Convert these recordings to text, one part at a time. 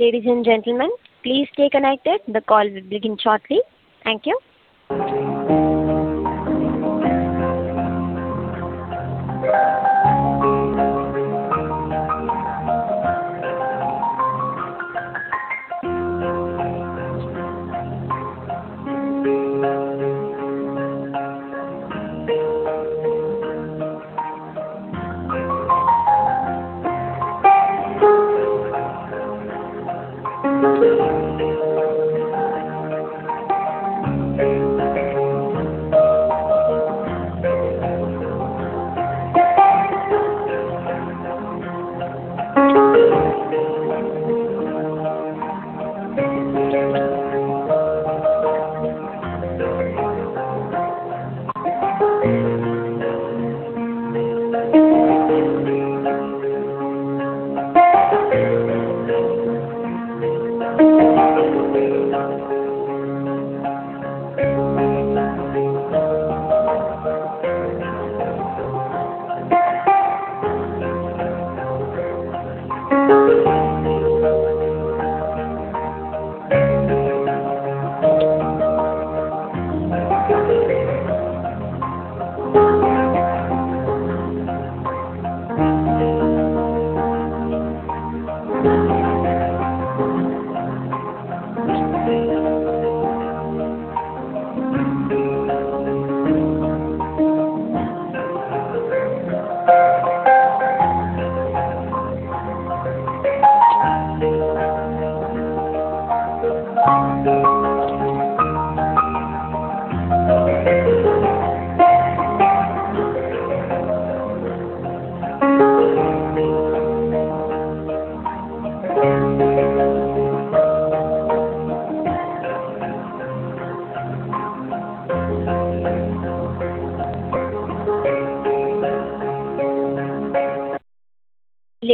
Ladies and gentlemen, please stay connected. The call will begin shortly. Thank you.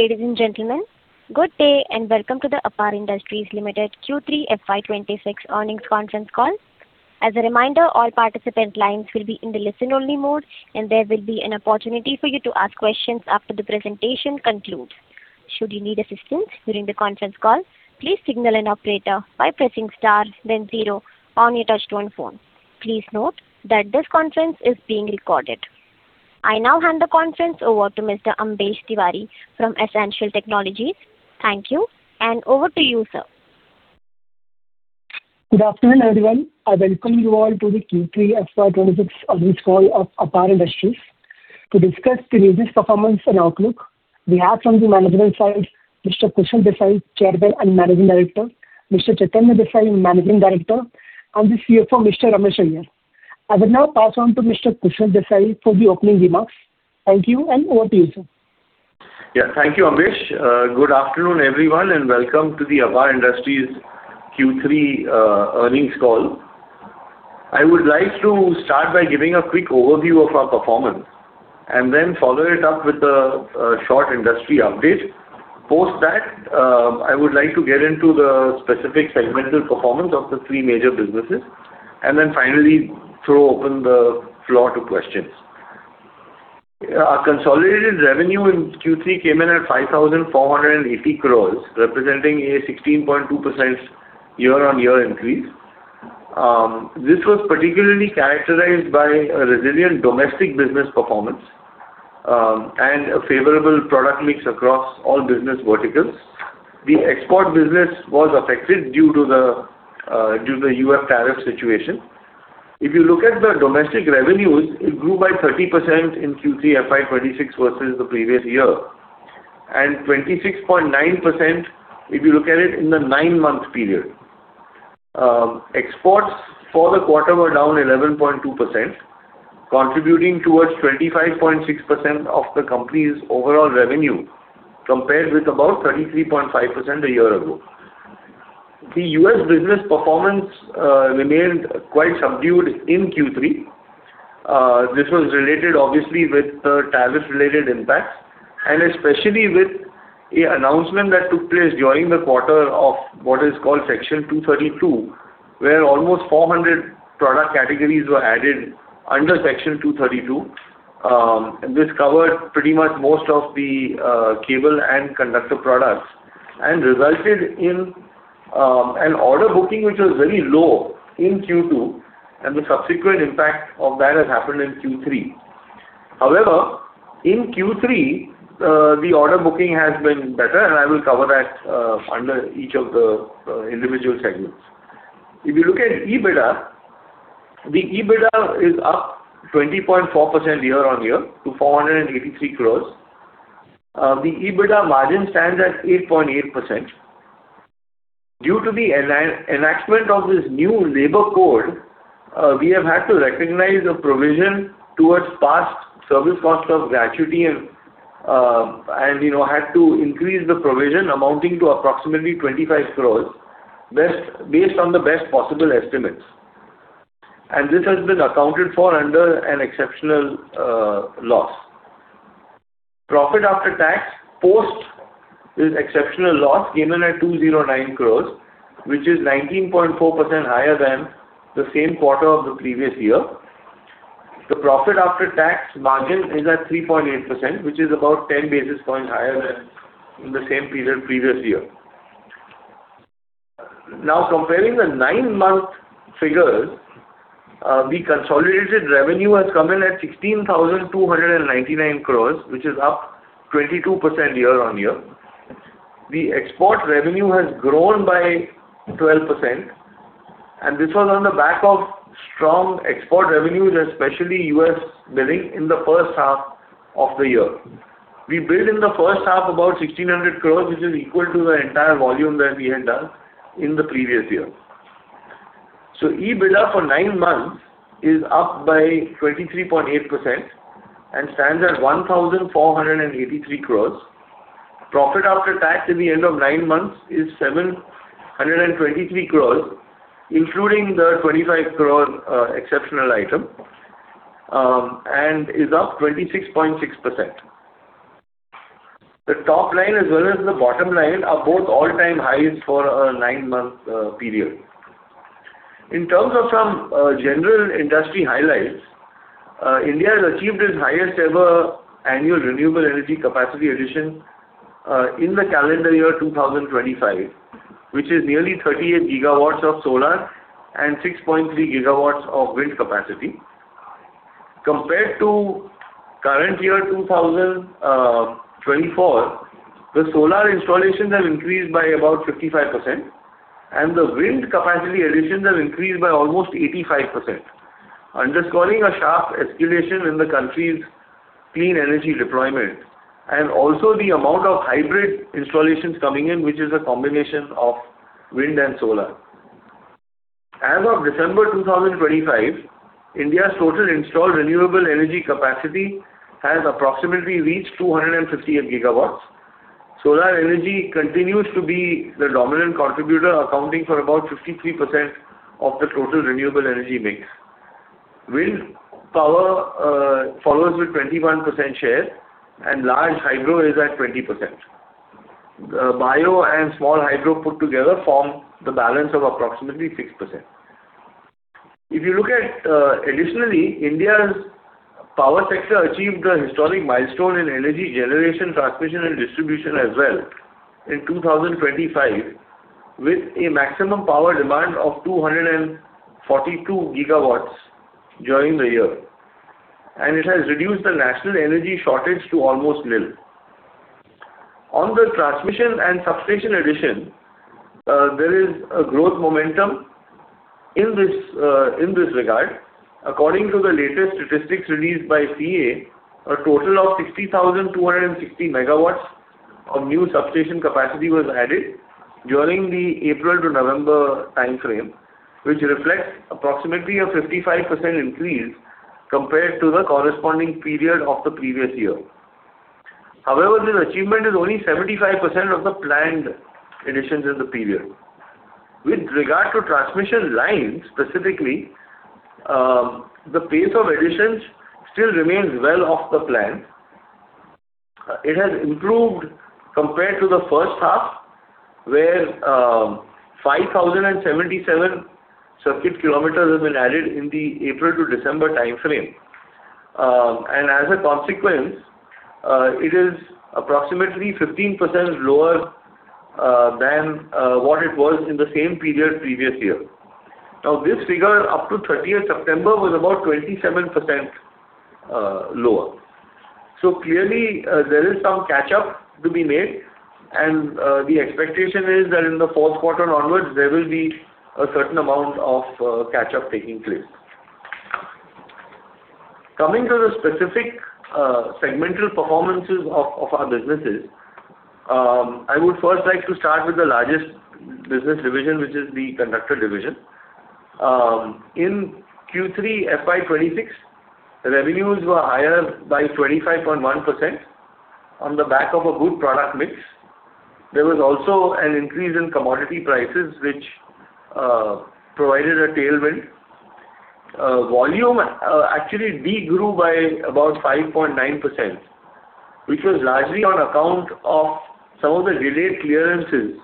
Ladies and gentlemen, good day and welcome to the APAR Industries Limited Q3 FY26 earnings conference call. As a reminder, all participant lines will be in the listen-only mode, and there will be an opportunity for you to ask questions after the presentation concludes. Should you need assistance during the conference call, please signal an operator by pressing star, then zero on your touch-tone phone. Please note that this conference is being recorded. I now hand the conference over to Mr. Ambesh Tiwari from S-Ancial Technologies. Thank you, and over to you, sir. Good afternoon, everyone. I welcome you all to the Q3 FY26 earnings call of APAR Industries to discuss the latest performance and outlook. We have, from the management side, Mr. Kushal Desai, Chairman and Managing Director, Mr. Chaitanya Desai, Managing Director, and the CFO, Mr. Ramesh Iyer. I will now pass on to Mr. Kushal Desai for the opening remarks. Thank you, and over to you, sir. Yeah, thank you, Ambesh. Good afternoon, everyone, and welcome to the APAR Industries Q3 earnings call. I would like to start by giving a quick overview of our performance and then follow it up with a short industry update. Post that, I would like to get into the specific segmental performance of the three major businesses, and then finally throw open the floor to questions. Our consolidated revenue in Q3 came in at 5,480 crores, representing a 16.2% year-on-year increase. This was particularly characterized by a resilient domestic business performance and a favorable product mix across all business verticals. The export business was affected due to the U.S. tariff situation. If you look at the domestic revenues, it grew by 30% in Q3 FY26 versus the previous year, and 26.9% if you look at it in the nine-month period. Exports for the quarter were down 11.2%, contributing toward 25.6% of the company's overall revenue, compared with about 33.5% a year ago. The U.S. business performance remained quite subdued in Q3. This was related, obviously, with the tariff-related impacts, and especially with the announcement that took place during the quarter of what is called Section 232, where almost 400 product categories were added under Section 232. This covered pretty much most of the cable and conductor products and resulted in an order booking which was very low in Q2, and the subsequent impact of that has happened in Q3. However, in Q3, the order booking has been better, and I will cover that under each of the individual segments. If you look at EBITDA, the EBITDA is up 20.4% year-on-year to 483 crore. The EBITDA margin stands at 8.8%. Due to the enactment of this new labor code, we have had to recognize a provision towards past service cost of gratuity and had to increase the provision amounting to approximately 25 crores, based on the best possible estimates. This has been accounted for under an exceptional loss. Profit after tax post this exceptional loss came in at 209 crores, which is 19.4% higher than the same quarter of the previous year. The profit after tax margin is at 3.8%, which is about 10 basis points higher than in the same period previous year. Now, comparing the nine-month figures, the consolidated revenue has come in at 16,299 crores, which is up 22% year-on-year. The export revenue has grown by 12%, and this was on the back of strong export revenues, especially U.S. billing, in the first half of the year. We built in the first half about 1,600 crore, which is equal to the entire volume that we had done in the previous year. So EBITDA for nine months is up by 23.8% and stands at 1,483 crore. Profit after tax at the end of nine months is 723 crore, including the 25 crore exceptional item, and is up 26.6%. The top line as well as the bottom line are both all-time highs for a nine-month period. In terms of some general industry highlights, India has achieved its highest-ever annual renewable energy capacity addition in the calendar year 2025, which is nearly 38 gigawatts of solar and 6.3 gigawatts of wind capacity. Compared to current year 2024, the solar installations have increased by about 55%, and the wind capacity additions have increased by almost 85%, underscoring a sharp escalation in the country's clean energy deployment and also the amount of hybrid installations coming in, which is a combination of wind and solar. As of December 2025, India's total installed renewable energy capacity has approximately reached 258 GW. Solar energy continues to be the dominant contributor, accounting for about 53% of the total renewable energy mix. Wind power follows with 21% share, and large hydro is at 20%. The bio and small hydro put together form the balance of approximately 6%. If you look at additionally, India's power sector achieved a historic milestone in energy generation, transmission, and distribution as well in 2025, with a maximum power demand of 242 GW during the year, and it has reduced the national energy shortage to almost nil. On the transmission and substation addition, there is a growth momentum in this regard. According to the latest statistics released by CA, a total of 60,260 MW of new substation capacity was added during the April to November timeframe, which reflects approximately a 55% increase compared to the corresponding period of the previous year. However, this achievement is only 75% of the planned additions in the period. With regard to transmission lines, specifically, the pace of additions still remains well off the plan. It has improved compared to the first half, where 5,077 circuit km have been added in the April to December timeframe. As a consequence, it is approximately 15% lower than what it was in the same period previous year. Now, this figure up to 30th September was about 27% lower. Clearly, there is some catch-up to be made, and the expectation is that in the fourth quarter onwards, there will be a certain amount of catch-up taking place. Coming to the specific segmental performances of our businesses, I would first like to start with the largest business division, which is the conductor division. In Q3 FY26, revenues were higher by 25.1% on the back of a good product mix. There was also an increase in commodity prices, which provided a tailwind. Volume actually degrew by about 5.9%, which was largely on account of some of the delayed clearances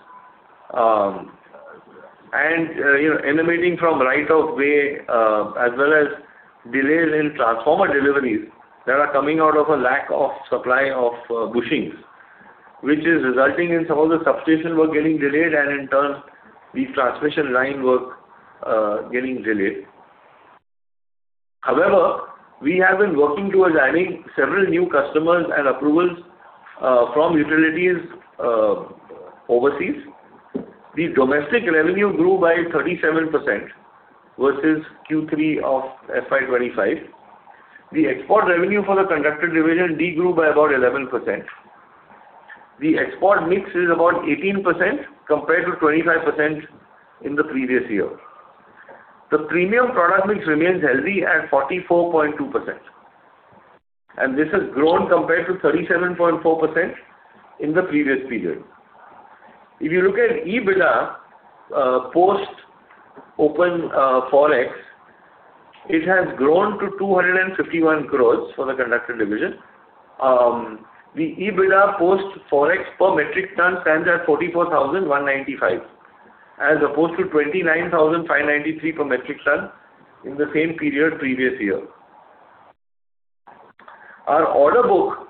and in obtaining right of way, as well as delays in transformer deliveries that are coming out of a lack of supply of bushings, which is resulting in some of the substation work getting delayed and, in turn, the transmission line work getting delayed. However, we have been working towards adding several new customers and approvals from utilities overseas. The domestic revenue grew by 37% versus Q3 of FY25. The export revenue for the conductor division degrew by about 11%. The export mix is about 18% compared to 25% in the previous year. The premium product mix remains healthy at 44.2%, and this has grown compared to 37.4% in the previous period. If you look at EBITDA post open Forex, it has grown to 251 crores for the conductor division. The EBITDA post Forex per metric ton stands at 44,195, as opposed to 29,593 per metric ton in the same period previous year. Our order book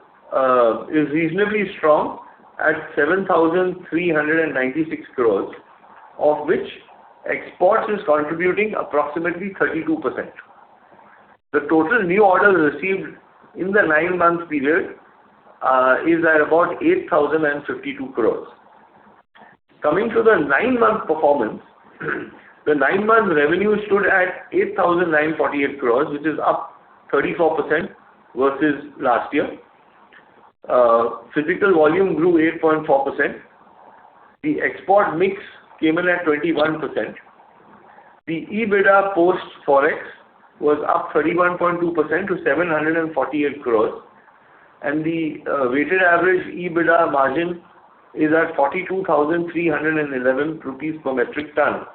is reasonably strong at 7,396 crores, of which exports are contributing approximately 32%. The total new orders received in the nine-month period is at about 8,052 crores. Coming to the nine-month performance, the nine-month revenue stood at 8,948 crores, which is up 34% versus last year. Physical volume grew 8.4%. The export mix came in at 21%. The EBITDA post Forex was up 31.2% to 748 crores, and the weighted average EBITDA margin is at 42,311 rupees per metric ton,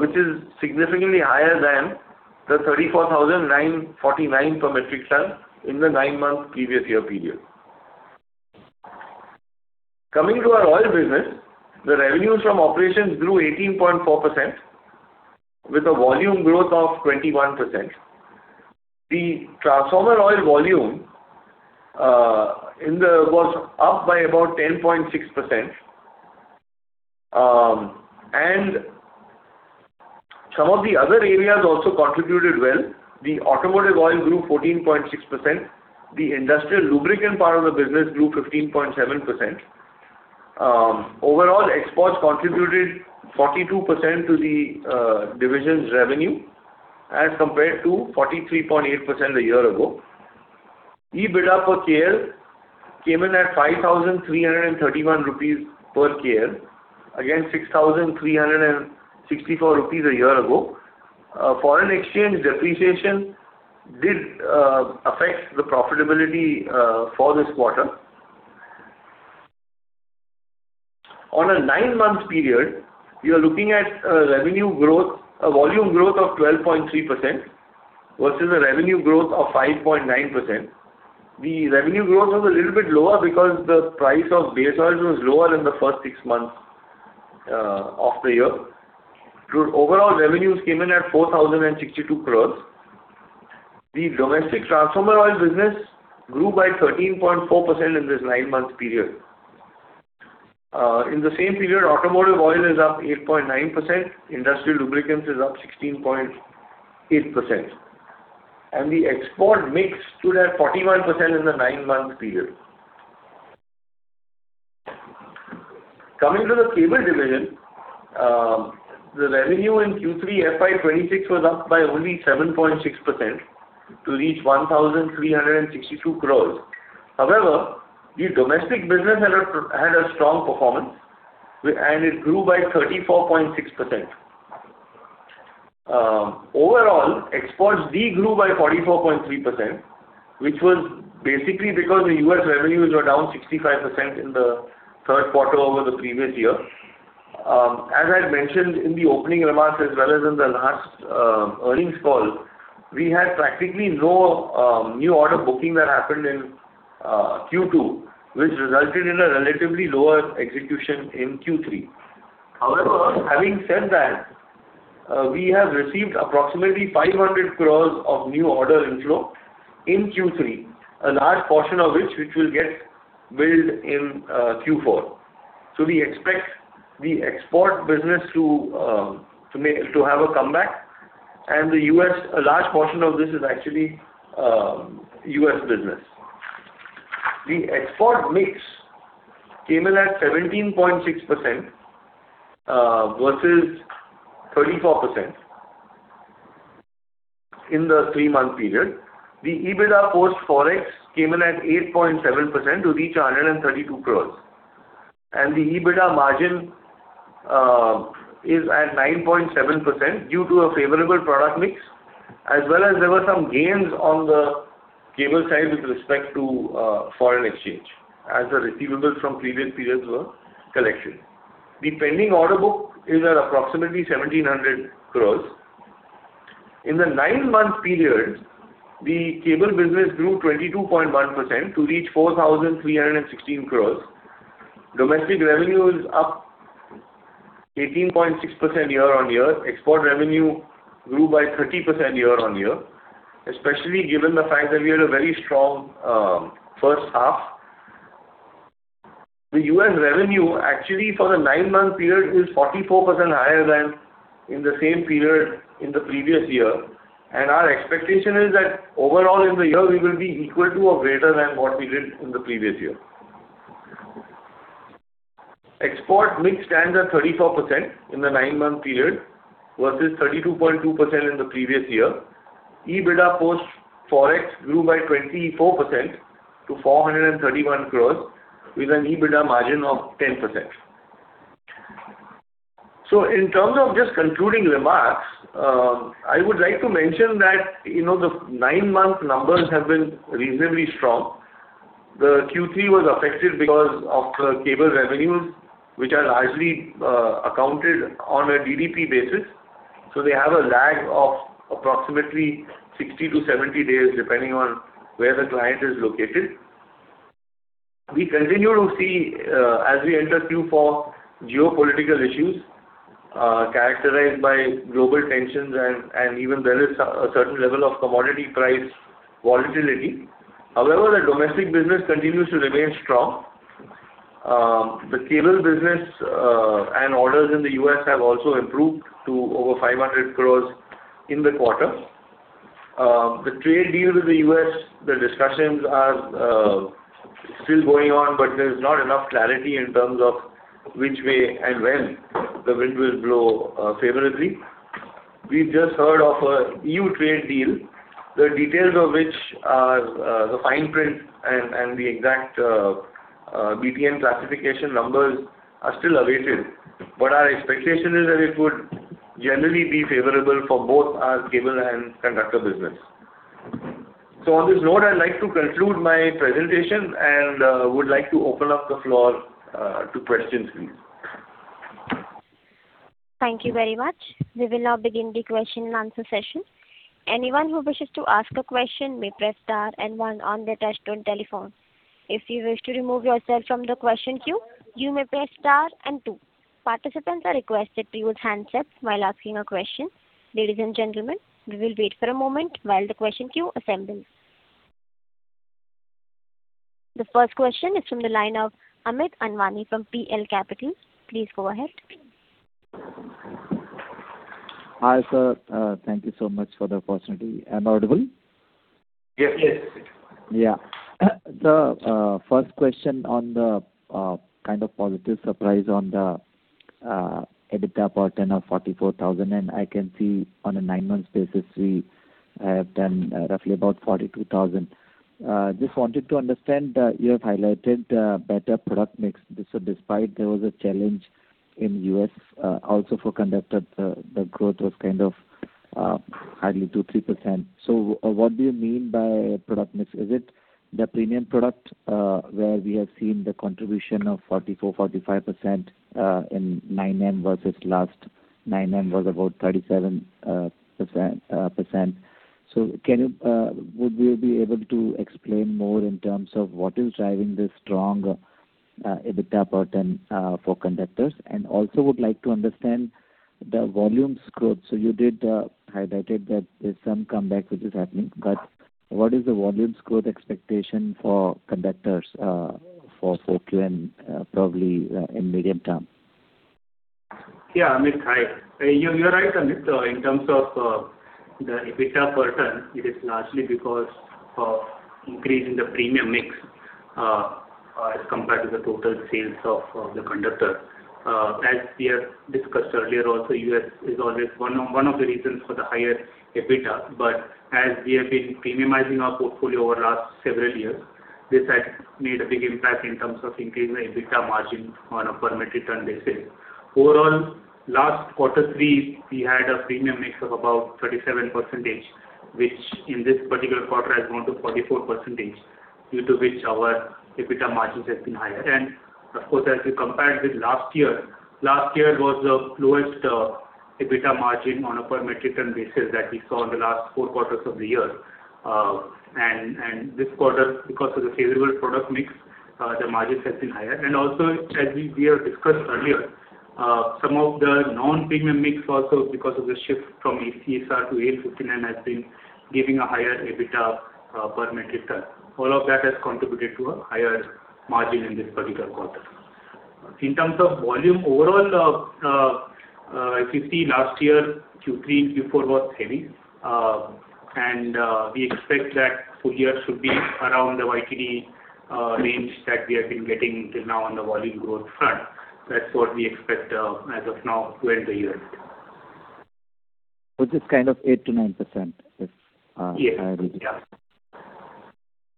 which is significantly higher than the 34,949 per metric ton in the nine-month previous year period. Coming to our oil business, the revenues from operations grew 18.4%, with a volume growth of 21%. The transformer oil volume was up by about 10.6%, and some of the other areas also contributed well. The automotive oil grew 14.6%. The industrial lubricant part of the business grew 15.7%. Overall, exports contributed 42% to the division's revenue as compared to 43.8% a year ago. EBITDA per KL came in at 5,331 rupees per KL, again 6,364 rupees a year ago. Foreign exchange depreciation did affect the profitability for this quarter. On a nine-month period, we are looking at a revenue growth, a volume growth of 12.3% versus a revenue growth of 5.9%. The revenue growth was a little bit lower because the price of base oils was lower in the first six months of the year. Overall, revenues came in at 4,062 crores. The domestic transformer oil business grew by 13.4% in this nine-month period. In the same period, automotive oil is up 8.9%, industrial lubricants is up 16.8%, and the export mix stood at 41% in the nine-month period. Coming to the cable division, the revenue in Q3 FY26 was up by only 7.6% to reach 1,362 crore. However, the domestic business had a strong performance, and it grew by 34.6%. Overall, exports degrew by 44.3%, which was basically because the U.S. revenues were down 65% in the third quarter over the previous year. As I had mentioned in the opening remarks as well as in the last earnings call, we had practically no new order booking that happened in Q2, which resulted in a relatively lower execution in Q3. However, having said that, we have received approximately 500 crore of new order inflow in Q3, a large portion of which will get billed in Q4. So we expect the export business to have a comeback, and a large portion of this is actually US business. The export mix came in at 17.6% versus 34% in the three-month period. The EBITDA post Forex came in at 8.7% to reach 132 crore, and the EBITDA margin is at 9.7% due to a favorable product mix, as well as there were some gains on the cable side with respect to foreign exchange, as the receivables from previous periods were collected. The pending order book is at approximately 1,700 crore. In the nine-month period, the cable business grew 22.1% to reach 4,316 crore. Domestic revenue is up 18.6% year-on-year. Export revenue grew by 30% year-on-year, especially given the fact that we had a very strong first half. The U.S. revenue, actually, for the nine-month period is 44% higher than in the same period in the previous year, and our expectation is that overall in the year, we will be equal to or greater than what we did in the previous year. Export mix stands at 34% in the nine-month period versus 32.2% in the previous year. EBITDA post Forex grew by 24% to 431 crores, with an EBITDA margin of 10%. So in terms of just concluding remarks, I would like to mention that the nine-month numbers have been reasonably strong. The Q3 was affected because of the cable revenues, which are largely accounted on a DDP basis. So they have a lag of approximately 60-70 days, depending on where the client is located. We continue to see, as we enter Q4, geopolitical issues characterized by global tensions, and even there is a certain level of commodity price volatility. However, the domestic business continues to remain strong. The cable business and orders in the U.S. have also improved to over 500 crore in the quarter. The trade deal with the U.S., the discussions are still going on, but there's not enough clarity in terms of which way and when the wind will blow favorably. We've just heard of an E.U. trade deal, the details of which are the fine print and the exact BTN classification numbers are still awaited, but our expectation is that it would generally be favorable for both our cable and conductor business. So on this note, I'd like to conclude my presentation and would like to open up the floor to questions, please. Thank you very much. We will now begin the question and answer session. Anyone who wishes to ask a question may press star and one on their touch-tone telephone. If you wish to remove yourself from the question queue, you may press star and two. Participants are requested to use handsets while asking a question. Ladies and gentlemen, we will wait for a moment while the question queue assembles. The first question is from the line of Amit Anwani from PL Capital. Please go ahead. Hi sir, thank you so much for the opportunity. Am I audible? Yes. Yeah. So first question on the kind of positive surprise on the EBITDA part and our 44,000, and I can see on a 9-month basis we have done roughly about 42,000. Just wanted to understand that you have highlighted better product mix. So despite there was a challenge in the U.S. also for conductor, the growth was kind of hardly 2%-3%. So what do you mean by product mix? Is it the premium product where we have seen the contribution of 44%-45% in 9M versus last 9M was about 37%? So would you be able to explain more in terms of what is driving this strong EBITDA part and for conductors? And also would like to understand the volume scope. So you did highlight that there's some comeback which is happening, but what is the volume scope expectation for conductors for 4Q and probably in medium term? Yeah, Amit, you're right, Amit. So in terms of the EBITDA part, it is largely because of increase in the premium mix as compared to the total sales of the conductor. As we have discussed earlier, also the U.S. is always one of the reasons for the higher EBITDA, but as we have been premiumizing our portfolio over the last several years, this had made a big impact in terms of increasing the EBITDA margin on a per metric ton basis. Overall, last quarter three, we had a premium mix of about 37%, which in this particular quarter has grown to 44%, due to which our EBITDA margins have been higher. Of course, as we compared with last year, last year was the lowest EBITDA margin on a per metric ton basis that we saw in the last four quarters of the year. This quarter, because of the favorable product mix, the margins have been higher. And also, as we have discussed earlier, some of the non-premium mix, also because of the shift from ACSR to AL59, has been giving a higher EBITDA per metric ton. All of that has contributed to a higher margin in this particular quarter. In terms of volume, overall, if you see last year, Q3 and Q4 was heavy, and we expect that full year should be around the YTD range that we have been getting till now on the volume growth front. That's what we expect as of now to end the year. Which is kind of 8%-9%, if I read it.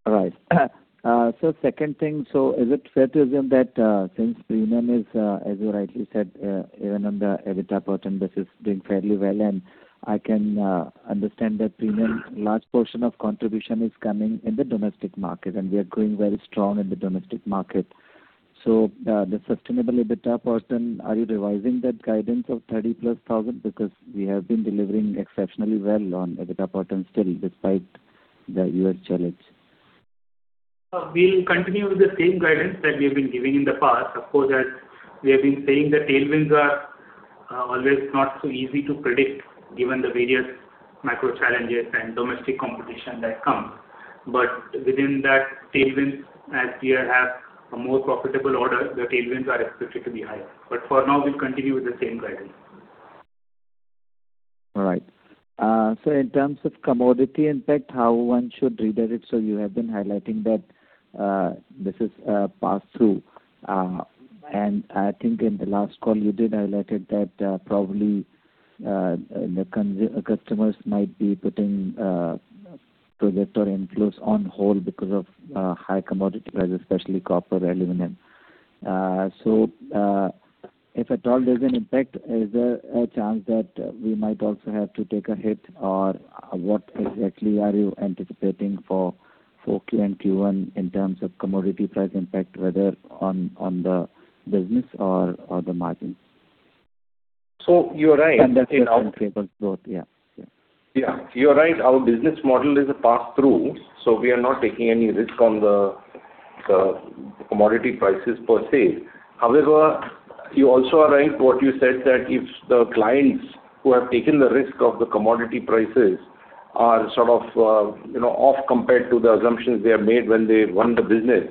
All right. So second thing, so is it fair to assume that since premium is, as you rightly said, even on the EBITDA part and basis doing fairly well, and I can understand that premium large portion of contribution is coming in the domestic market, and we are going very strong in the domestic market. So the sustainable EBITDA part, are you revising that guidance of 30+ thousand because we have been delivering exceptionally well on EBITDA part and still despite the U.S. challenge? We'll continue with the same guidance that we have been giving in the past. Of course, as we have been saying, the tailwinds are always not so easy to predict given the various macro challenges and domestic competition that comes. But within that tailwinds, as we have a more profitable order, the tailwinds are expected to be higher. But for now, we'll continue with the same guidance. All right. So in terms of commodity impact, how one should read it? So you have been highlighting that this is passed through. And I think in the last call, you did highlight that probably the customers might be putting project or inflows on hold because of high commodity prices, especially copper and aluminum. So if at all there's an impact, is there a chance that we might also have to take a hit? Or what exactly are you anticipating for 4Q and Q1 in terms of commodity price impact, whether on the business or the margins? So you're right. And that's in favors both, yeah. Yeah, you're right. Our business model is a pass-through, so we are not taking any risk on the commodity prices per se. However, you also are right what you said that if the clients who have taken the risk of the commodity prices are sort of off compared to the assumptions they have made when they run the business,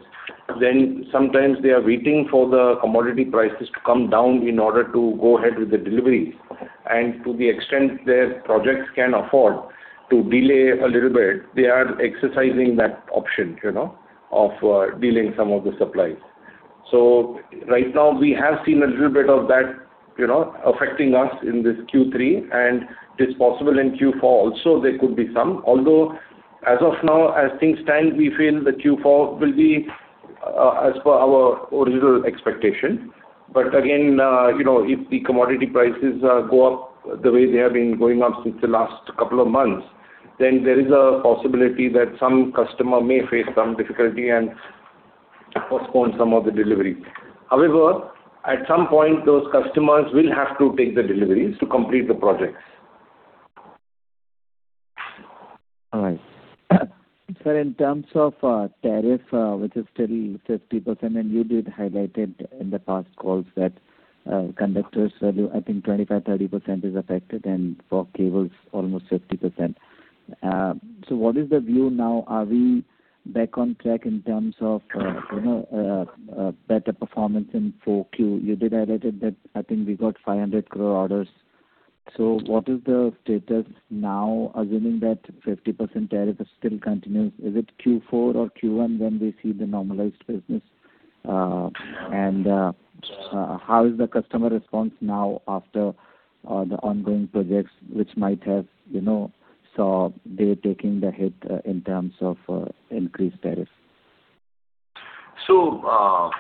then sometimes they are waiting for the commodity prices to come down in order to go ahead with the deliveries. And to the extent their projects can afford to delay a little bit, they are exercising that option of delaying some of the supplies. So right now, we have seen a little bit of that affecting us in this Q3, and it is possible in Q4 also there could be some. Although as of now, as things stand, we feel the Q4 will be as per our original expectation. But again, if the commodity prices go up the way they have been going up since the last couple of months, then there is a possibility that some customer may face some difficulty and postpone some of the deliveries. However, at some point, those customers will have to take the deliveries to complete the projects. All right. So in terms of tariff, which is still 50%, and you did highlight it in the past calls that conductors value, I think 25%-30% is affected, and for cables, almost 50%. So what is the view now? Are we back on track in terms of better performance in 4Q? You did highlight that I think we got 500 crore orders. So what is the status now, assuming that 50% tariff still continues? Is it Q4 or Q1 when we see the normalized business? How is the customer response now after the ongoing projects, which might have seen them taking the hit in terms of increased tariffs? The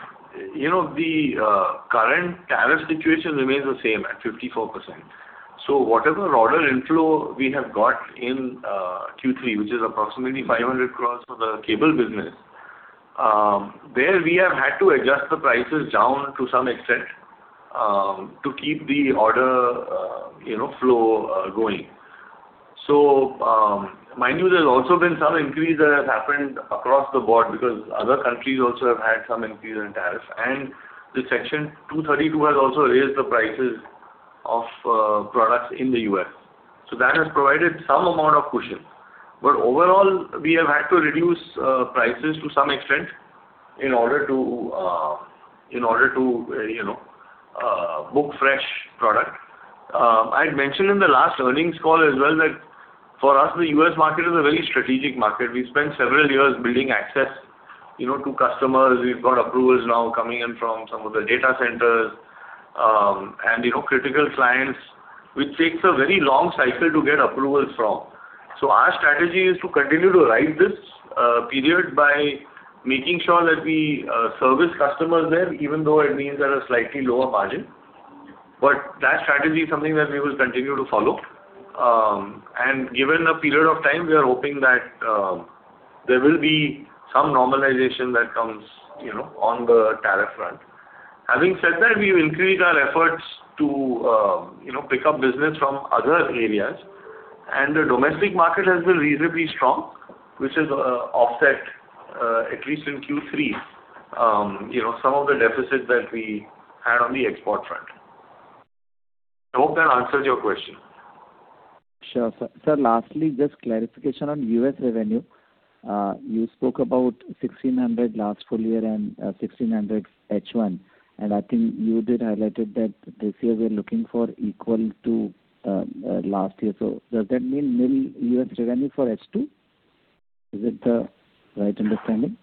current tariff situation remains the same at 54%. Whatever order inflow we have got in Q3, which is approximately 500 crore for the cable business, there we have had to adjust the prices down to some extent to keep the order flow going. Mind you, there's also been some increase that has happened across the board because other countries also have had some increase in tariffs. The Section 232 has also raised the prices of products in the US. That has provided some amount of cushion. But overall, we have had to reduce prices to some extent in order to book fresh product. I had mentioned in the last earnings call as well that for us, the U.S. market is a very strategic market. We spent several years building access to customers. We've got approvals now coming in from some of the data centers and critical clients, which takes a very long cycle to get approvals from. So our strategy is to continue to ride this period by making sure that we service customers there, even though it means at a slightly lower margin. But that strategy is something that we will continue to follow. And given a period of time, we are hoping that there will be some normalization that comes on the tariff front. Having said that, we've increased our efforts to pick up business from other areas. The domestic market has been reasonably strong, which has offset, at least in Q3, some of the deficit that we had on the export front. I hope that answers your question. Sure. Sir, lastly, just clarification on U.S. revenue. You spoke about 1,600 last full year and 1,600 H1. And I think you did highlight that this year we're looking for equal to last year. So does that mean nil U.S. revenue for H2? Is it the right understanding?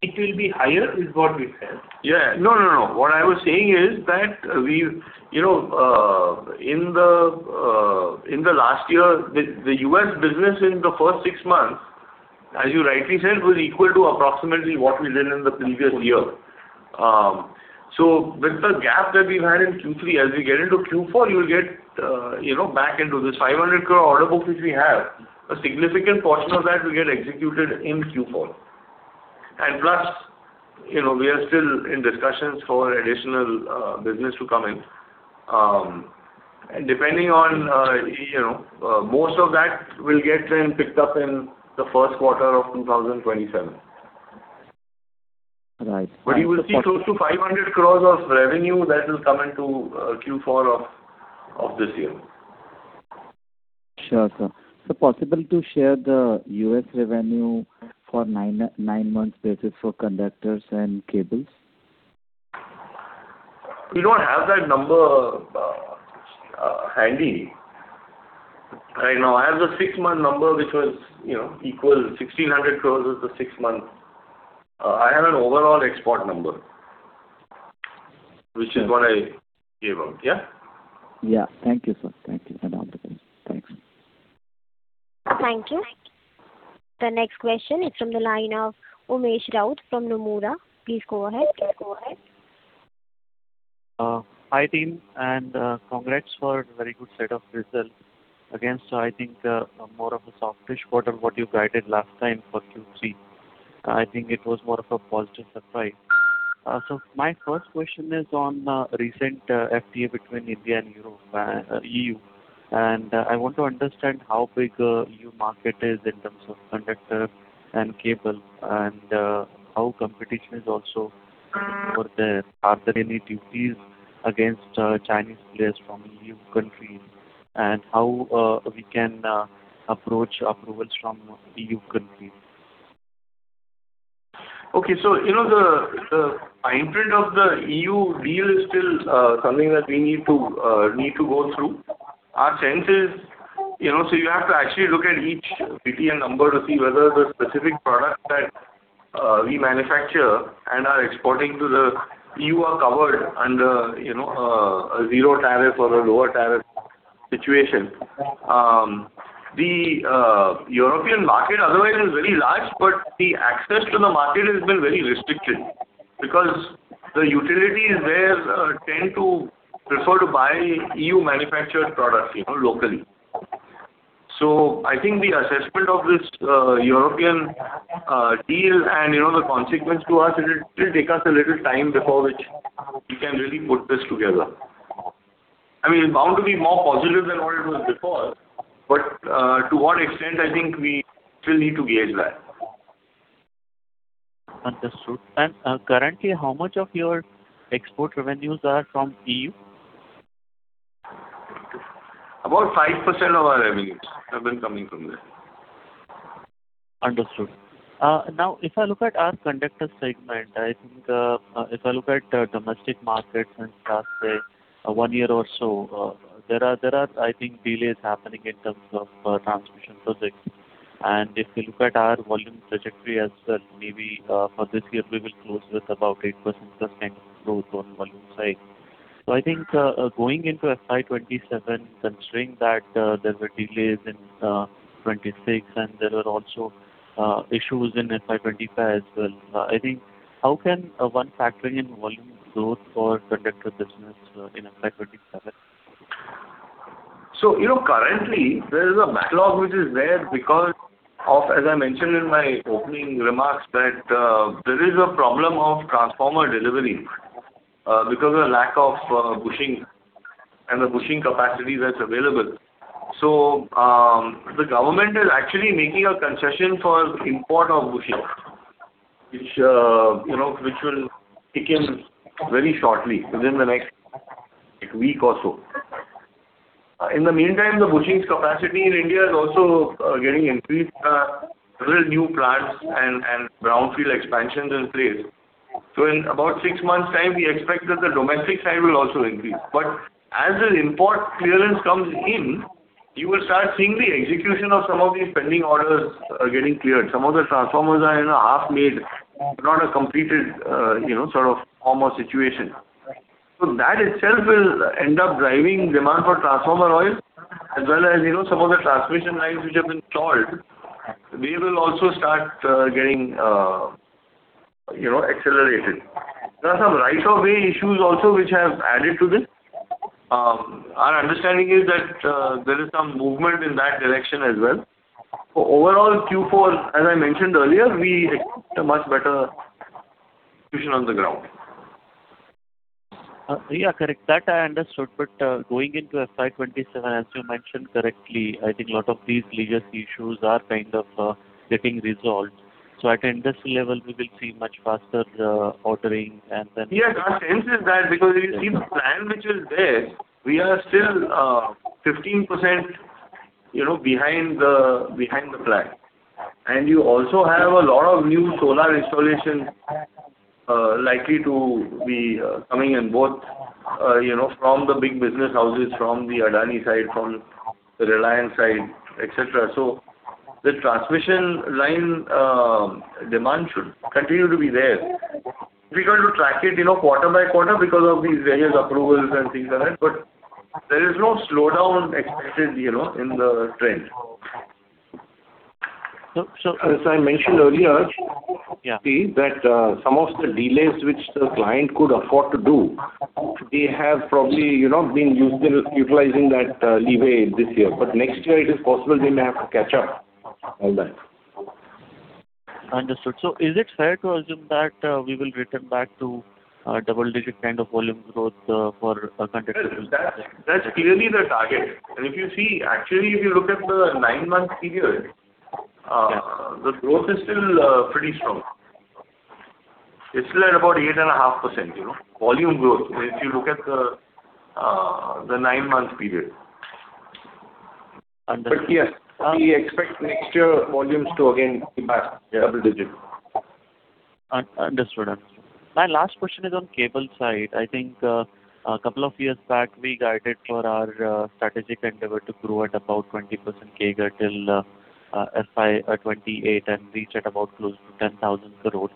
It will be higher is what we said. Yeah. No, no, no. What I was saying is that in the last year, the U.S. business in the first six months, as you rightly said, was equal to approximately what we did in the previous year. So with the gap that we've had in Q3, as we get into Q4, you'll get back into this 500 crore order book which we have. A significant portion of that will get executed in Q4. And plus, we are still in discussions for additional business to come in. And depending on most of that will get then picked up in the first quarter of 2027. Right. But you will see close to 500 crores of revenue that will come into Q4 of this year. Sure, sir. So possible to share the U.S. revenue for nine months basis for conductors and cables? We don't have that number handy right now. I have the six-month number, which was equal 1,600 crores is the six-month. I have an overall export number, which is what I gave out. Yeah? Yeah. Thank you, sir. Thank you. And obviously, thanks. Thank you. The next question is from the line of Umesh Raut from Nomura. Please go ahead. Please go ahead. Hi team, and congrats for a very good set of results. Again, so I think more of a softish quarter, what you guided last time for Q3. I think it was more of a positive surprise. So my first question is on recent FTA between India and EU. And I want to understand how big the EU market is in terms of conductor and cable, and how competition is also over there. Are there any duties against Chinese players from EU countries? And how we can approach approvals from EU countries? Okay. So the fine print of the EU deal is still something that we need to go through. Our sense is, so you have to actually look at each BTN number to see whether the specific product that we manufacture and are exporting to the EU are covered under a zero tariff or a lower tariff situation. The European market otherwise is very large, but the access to the market has been very restricted because the utilities there tend to prefer to buy EU-manufactured products locally. So I think the assessment of this European deal and the consequence to us, it will still take us a little time before which we can really put this together. I mean, it's bound to be more positive than what it was before, but to what extent I think we still need to gauge that. Understood. Currently, how much of your export revenues are from EU? About 5% of our revenues have been coming from there. Understood. Now, if I look at our conductor segment, I think if I look at domestic markets and stuff, say, one year or so, there are, I think, delays happening in terms of transmission projects. And if you look at our volume trajectory as well, maybe for this year, we will close with about 8%+10% growth on the volume side. So I think going into FY27, considering that there were delays in FY26, and there were also issues in FY25 as well, I think, how can one factor in volume growth for conductor business in FY27? So currently, there is a backlog which is there because of, as I mentioned in my opening remarks, that there is a problem of transformer delivery because of the lack of bushing and the bushing capacity that's available. So the government is actually making a concession for import of bushing, which will kick in very shortly within the next week or so. In the meantime, the bushing capacity in India is also getting increased with several new plants and brownfield expansions in place. So in about six months' time, we expect that the domestic side will also increase. But as the import clearance comes in, you will start seeing the execution of some of these pending orders getting cleared. Some of the transformers are in a half-made, not a completed sort of form or situation. So that itself will end up driving demand for transformer oil, as well as some of the transmission lines which have been stalled. They will also start getting accelerated. There are some right-of-way issues also which have added to this. Our understanding is that there is some movement in that direction as well. So overall, Q4, as I mentioned earlier, we expect a much better situation on the ground. Yeah, correct. That I understood. But going into FY27, as you mentioned correctly, I think a lot of these legal issues are kind of getting resolved. So at industry level, we will see much faster ordering and then. Yeah, our sense is that because if you see the plan which is there, we are still 15% behind the plan. And you also have a lot of new solar installations likely to be coming in both from the big business houses, from the Adani side, from the Reliance side, etc. So the transmission line demand should continue to be there. Difficult to track it quarter by quarter because of these various approvals and things like that. But there is no slowdown expected in the trend. So as I mentioned earlier, that some of the delays which the client could afford to do, they have probably been utilizing that leeway this year. But next year, it is possible they may have to catch up on that. Understood. So is it fair to assume that we will return back to double-digit kind of volume growth for conductor business? That's clearly the target. And if you see, actually, if you look at the nine-month period, the growth is still pretty strong. It's still at about 8.5% volume growth if you look at the nine-month period. But yes, we expect next year volumes to again be past double-digit. Understood. My last question is on cable side. I think a couple of years back, we guided for our strategic endeavor to grow at about 20% CAGR till FY28 and reach at about close to 10,000 crore.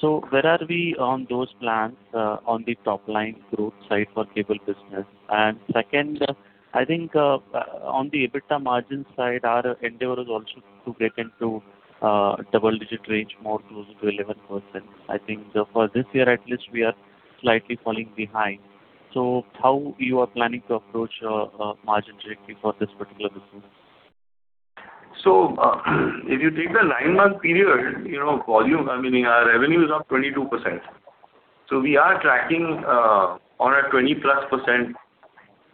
So where are we on those plans on the top-line growth side for cable business? And second, I think on the EBITDA margin side, our endeavor is also to get into double-digit range more close to 11%. I think for this year, at least, we are slightly falling behind. So how are you planning to approach margin trajectory for this particular business? So if you take the nine-month period, volume, I mean, our revenues are 22%. So we are tracking on a 20%+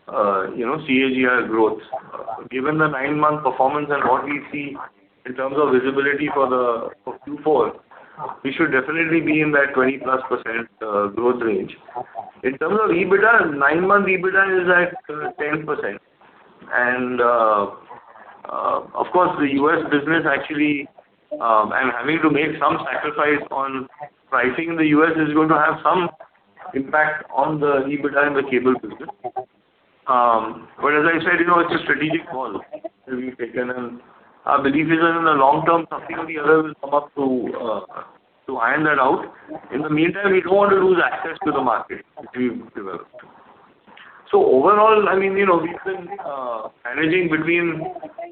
CAGR growth. Given the nine-month performance and what we see in terms of visibility for Q4, we should definitely be in that 20%+ growth range. In terms of EBITDA, nine-month EBITDA is at 10%. And of course, the U.S. business actually I'm having to make some sacrifice on pricing. The U.S. is going to have some impact on the EBITDA in the cable business. But as I said, it's a strategic call that we've taken. And our belief is that in the long term, something or the other will come up to iron that out. In the meantime, we don't want to lose access to the market which we've developed. So overall, I mean, we've been managing between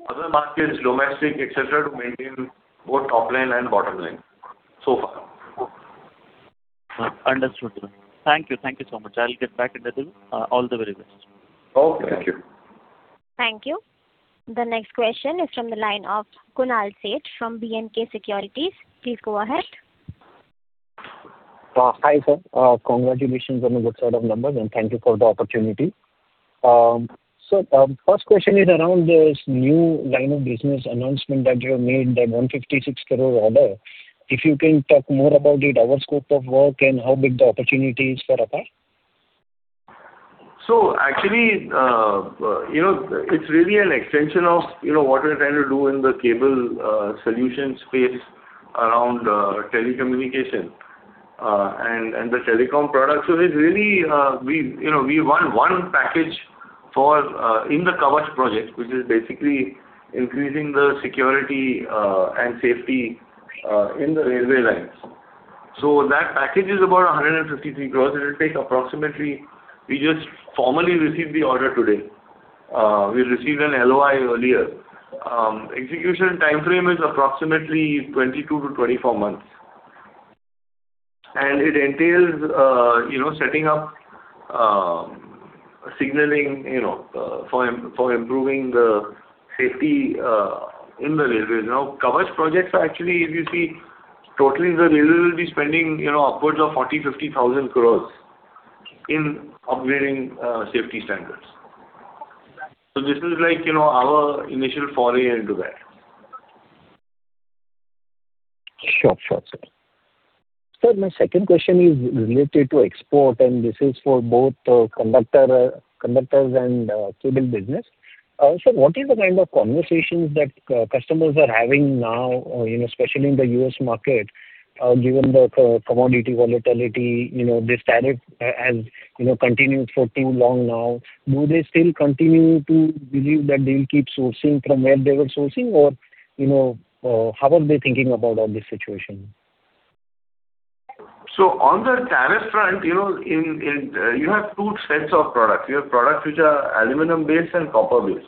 other markets, domestic, etc., to maintain both top-line and bottom-line so far. Understood. Thank you. Thank you so much. I'll get back in a little. All the very best. Okay. Thank you. Thank you. The next question is from the line of Kunal Sheth from B&K Securities. Please go ahead. Hi sir. Congratulations on the good side of numbers, and thank you for the opportunity. Sir, first question is around this new line of business announcement that you have made, the 156 crore order. If you can talk more about it, our scope of work, and how big the opportunity is for APAR? So actually, it's really an extension of what we're trying to do in the cable solution space around telecommunication and the telecom products. So it's really we want one package in the Kavach project, which is basically increasing the security and safety in the railway lines. So that package is about 153 crore. It will take approximately. We just formally received the order today. We received an LOI earlier. Execution time frame is approximately 22-24 months. And it entails setting up signaling for improving the safety in the railways. Now, Kavach projects are actually, if you see, totally the railway will be spending upwards of 40,000-50,000 crore in upgrading safety standards. So this is like our initial foray into that. Sure, sure, sir. Sir, my second question is related to export, and this is for both conductors and cable business. Sir, what are the kind of conversations that customers are having now, especially in the U.S. market, given the commodity volatility? This tariff has continued for too long now. Do they still continue to believe that they will keep sourcing from where they were sourcing, or how are they thinking about all this situation? So on the tariff front, you have two sets of products. You have products which are aluminum-based and copper-based.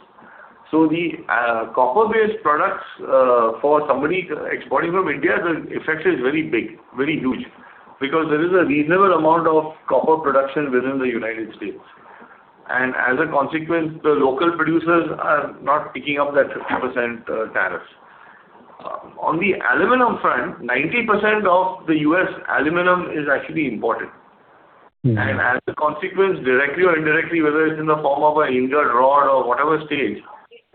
So the copper-based products for somebody exporting from India, the effect is very big, very huge, because there is a reasonable amount of copper production within the United States. And as a consequence, the local producers are not picking up that 50% tariffs. On the aluminum front, 90% of the U.S. aluminum is actually imported. As a consequence, directly or indirectly, whether it's in the form of an ingot rod or whatever stage,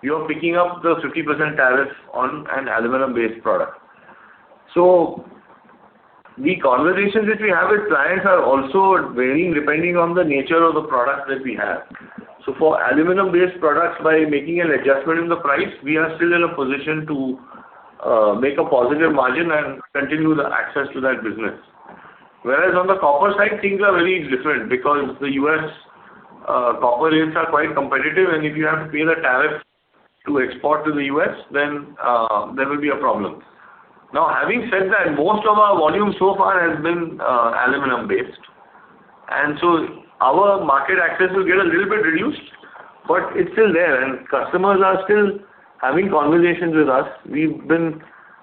you are picking up the 50% tariff on an aluminum-based product. So the conversations which we have with clients are also varying depending on the nature of the product that we have. So for aluminum-based products, by making an adjustment in the price, we are still in a position to make a positive margin and continue the access to that business. Whereas on the copper side, things are very different because the U.S. copper rates are quite competitive, and if you have to pay the tariff to export to the U.S., then there will be a problem. Now, having said that, most of our volume so far has been aluminum-based. And so our market access will get a little bit reduced, but it's still there. Customers are still having conversations with us. We've been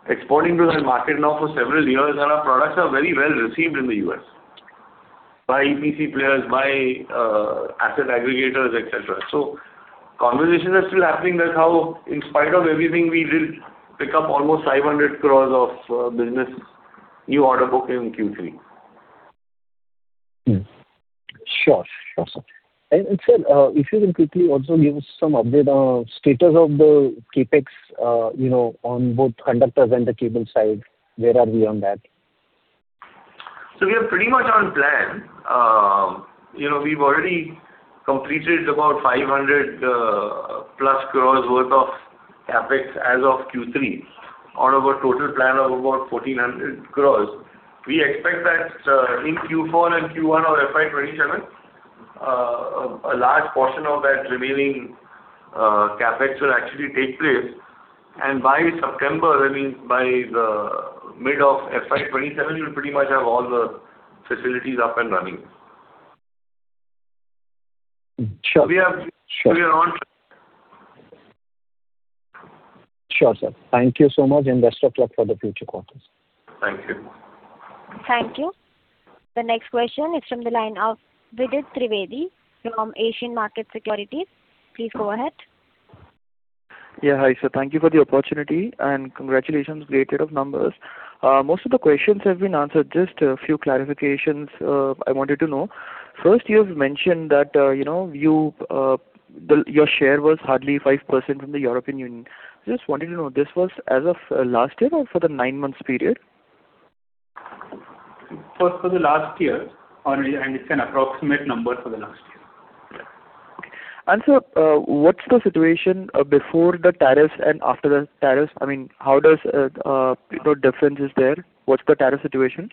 exporting to that market now for several years, and our products are very well received in the U.S. by EPC players, by asset aggregators, etc. So conversations are still happening. That's how, in spite of everything, we did pick up almost 500 crore of business new order book in Q3. Sure, sure, sir. Sir, if you can quickly also give us some update on status of the CapEx on both conductors and the cable side, where are we on that? So we are pretty much on plan. We've already completed about 500+ crore's worth of CapEx as of Q3 on our total plan of about 1,400 crore. We expect that in Q4 and Q1 of FY27, a large portion of that remaining CapEx will actually take place. And by September, that means by the mid of FY27, you'll pretty much have all the facilities up and running. So we are on track. Sure, sir. Thank you so much, and best of luck for the future quarters. Thank you. Thank you. The next question is from the line of Vidit Trivedi from Asian Market Securities. Please go ahead. Yeah, hi sir. Thank you for the opportunity and congratulations. Great head of numbers. Most of the questions have been answered. Just a few clarifications I wanted to know. First, you've mentioned that your share was hardly 5% from the European Union. I just wanted to know this was as of last year or for the nine-month period? First, for the last year, and it's an approximate number for the last year. Okay. And sir, what's the situation before the tariffs and after the tariffs? I mean, how does the difference is there? What's the tariff situation?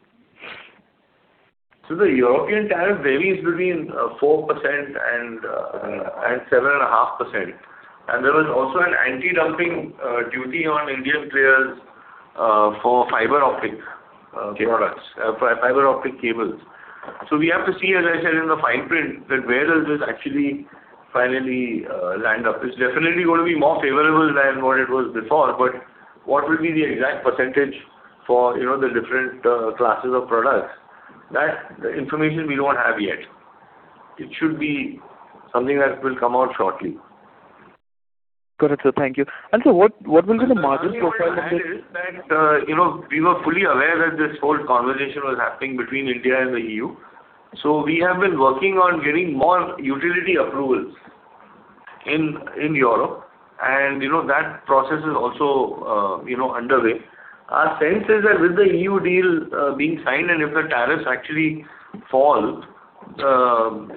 So the European tariff varies between 4%-7.5%. And there was also an anti-dumping duty on Indian players for fiber optic products, fiber optic cables. So we have to see, as I said in the fine print, that where does this actually finally land up. It's definitely going to be more favorable than what it was before, but what will be the exact percentage for the different classes of products? That information we don't have yet. It should be something that will come out shortly. Got it, sir. Thank you. And sir, what will be the margin profile of this? The thing is that we were fully aware that this whole conversation was happening between India and the EU. So we have been working on getting more utility approvals in Europe, and that process is also underway. Our sense is that with the EU deal being signed and if the tariffs actually fall,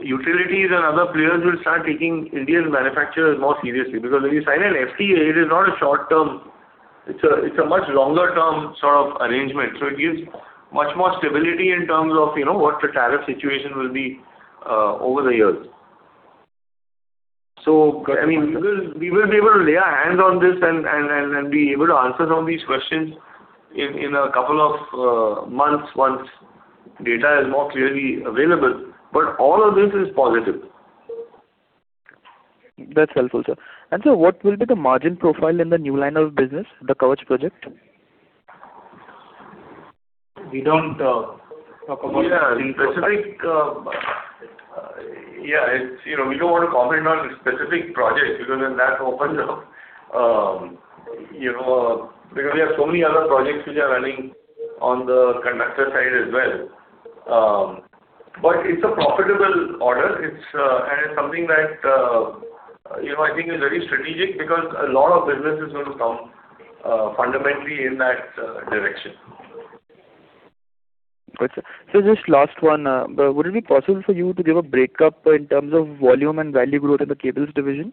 utilities and other players will start taking Indian manufacturers more seriously. Because if you sign an FTA, it is not a short-term. It's a much longer-term sort of arrangement. So it gives much more stability in terms of what the tariff situation will be over the years. So I mean, we will be able to lay our hands on this and be able to answer some of these questions in a couple of months once data is more clearly available. But all of this is positive. That's helpful, sir. And sir, what will be the margin profile in the new line of business, the Kavach project? We don't talk about specific. Yeah, we don't want to comment on specific projects because then that opens up because we have so many other projects which are running on the conductor side as well. But it's a profitable order, and it's something that I think is very strategic because a lot of business is going to come fundamentally in that direction. Good. So just last one, would it be possible for you to give a breakup in terms of volume and value growth in the cables division?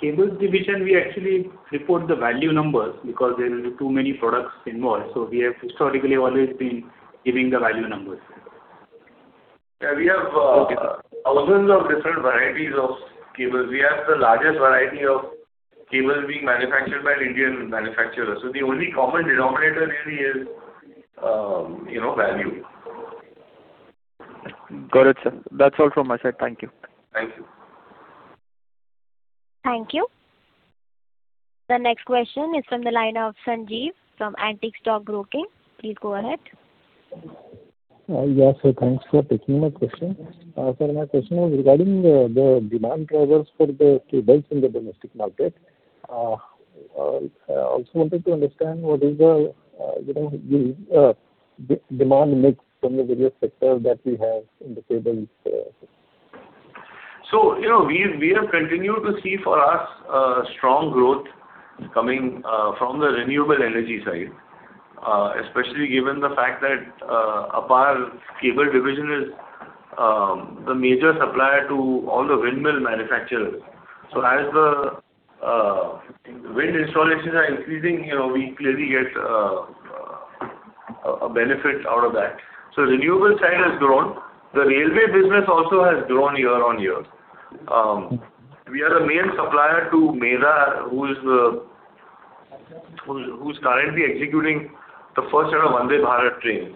Cables division, we actually report the value numbers because there are too many products involved. So we have historically always been giving the value numbers. Yeah, we have thousands of different varieties of cables. We have the largest variety of cables being manufactured by Indian manufacturers. So the only common denominator really is value. Got it, sir. That's all from my side. Thank you. Thank you. Thank you. The next question is from the line of Sanjeev from Antique Stock Broking. Please go ahead. Yes, sir. Thanks for taking my question. My question was regarding the demand drivers for the cables in the domestic market. I also wanted to understand what is the demand mix from the various sectors that we have in the cables. So we have continued to see for us strong growth coming from the renewable energy side, especially given the fact that APAR cable division is the major supplier to all the windmill manufacturers. So as the wind installations are increasing, we clearly get a benefit out of that. So renewable side has grown. The railway business also has grown year-on-year. We are the main supplier to Medha, who is currently executing the first set of Vande Bharat trains.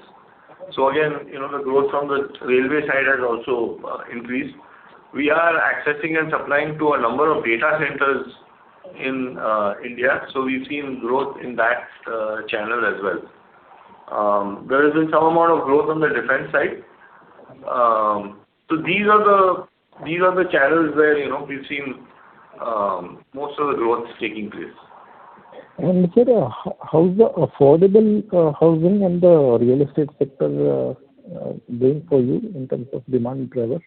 So again, the growth from the railway side has also increased. We are accessing and supplying to a number of data centers in India. So we've seen growth in that channel as well. There has been some amount of growth on the defense side. So these are the channels where we've seen most of the growth taking place. And sir, how is the affordable housing and the real estate sector doing for you in terms of demand drivers?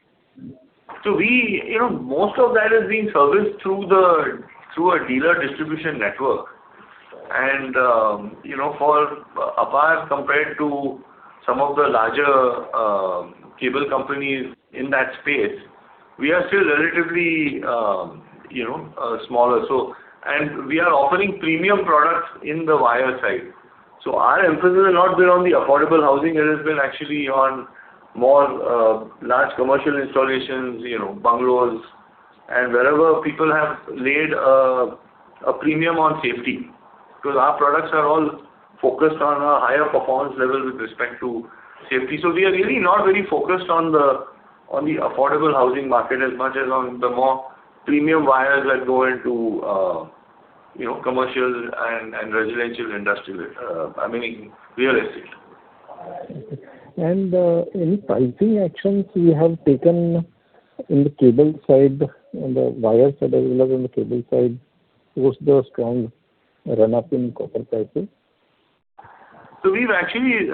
So most of that is being serviced through a dealer distribution network. And for APAR, compared to some of the larger cable companies in that space, we are still relatively smaller. And we are offering premium products in the wire side. So our emphasis has not been on the affordable housing. It has been actually on more large commercial installations, bungalows, and wherever people have laid a premium on safety. Because our products are all focused on a higher performance level with respect to safety. So we are really not very focused on the affordable housing market as much as on the more premium wires that go into commercial and residential industry, I mean, real estate. And any pricing actions you have taken in the cable side, the wires that are developed on the cable side, what's the strong run-up in copper prices? So we've actually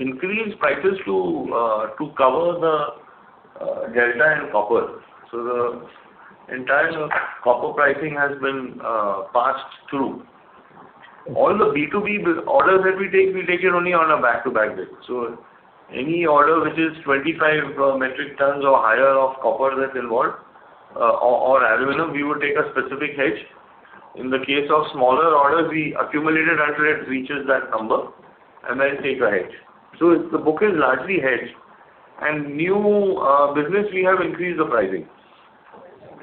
increased prices to cover the delta in copper. So the entire copper pricing has been passed through. All the B2B orders that we take, we take it only on a back-to-back bid. So any order which is 25 metric tons or higher of copper that's involved or aluminum, we would take a specific hedge. In the case of smaller orders, we accumulate it until it reaches that number and then take a hedge. So the book is largely hedged. And new business, we have increased the pricing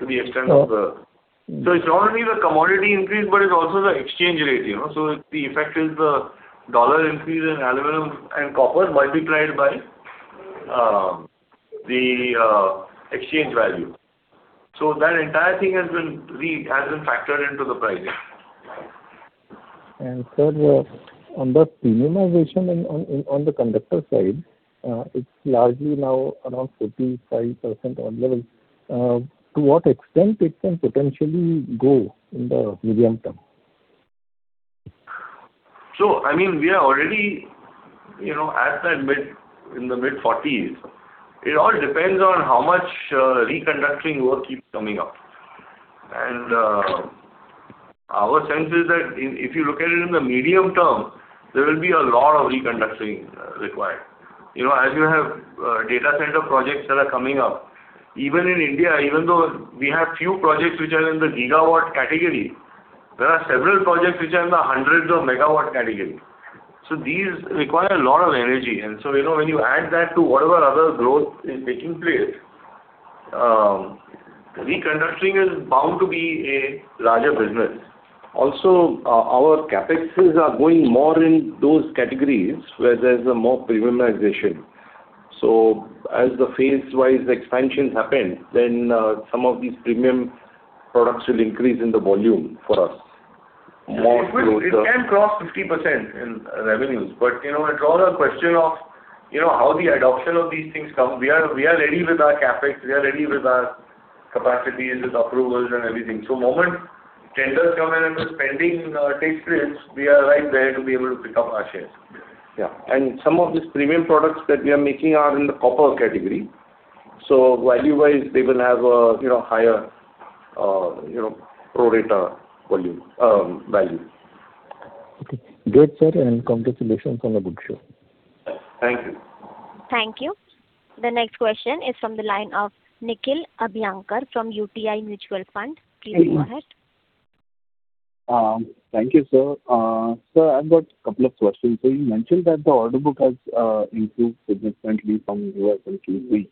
to the extent of the. So it's not only the commodity increase, but it's also the exchange rate. So the effect is the dollar increase in aluminum and copper multiplied by the exchange value. So that entire thing has been factored into the pricing. And sir, on the premiumization on the conductor side, it's largely now around 45% level. To what extent it can potentially go in the medium term? So I mean, we are already at that mid in the mid-40s. It all depends on how much reconductoring work keeps coming up. And our sense is that if you look at it in the medium term, there will be a lot of reconductoring required. As you have data center projects that are coming up, even in India, even though we have few projects which are in the gigawatt category, there are several projects which are in the hundreds of megawatt category. These require a lot of energy. When you add that to whatever other growth is taking place, reconductoring is bound to be a larger business. Also, our CapExes are going more in those categories where there's a more premiumization. As the phase-wise expansions happen, some of these premium products will increase in the volume for us. It can cross 50% in revenues. But it's all a question of how the adoption of these things comes. We are ready with our CapEx. We are ready with our capacities, with approvals and everything. So the moment tenders come in and the spending takes place, we are right there to be able to pick up our shares. Yeah. And some of these premium products that we are making are in the copper category. So value-wise, they will have a higher prorata value. Okay. Great, sir. And congratulations on a good show. Thank you. Thank you. The next question is from the line of Nikhil Abhyankar from UTI Mutual Fund. Please go ahead. Thank you, sir. Sir, I've got a couple of questions. So you mentioned that the order book has improved significantly from U.S. and Q3.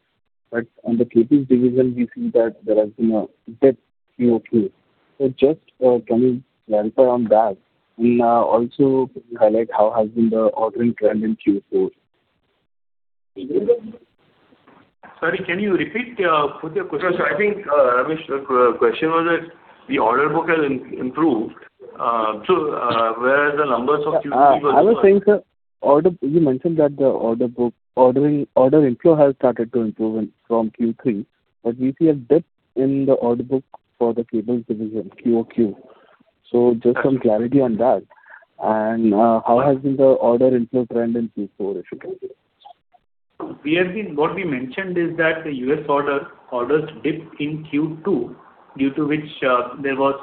But on the KP's division, we see that there has been a dip in Q2. So just can you clarify on that? And also highlight how has been the ordering trend in Q4? Sorry, can you repeat your question? I think Ramesh, the question was that the order book has improved. So whereas the numbers of Q3 were. I was saying, sir, you mentioned that the order inflow has started to improve from Q3, but we see a dip in the order book for the cables division, QOQ. So just some clarity on that. And how has been the order inflow trend in Q4, if you can? What we mentioned is that the US orders dipped in Q2, due to which there was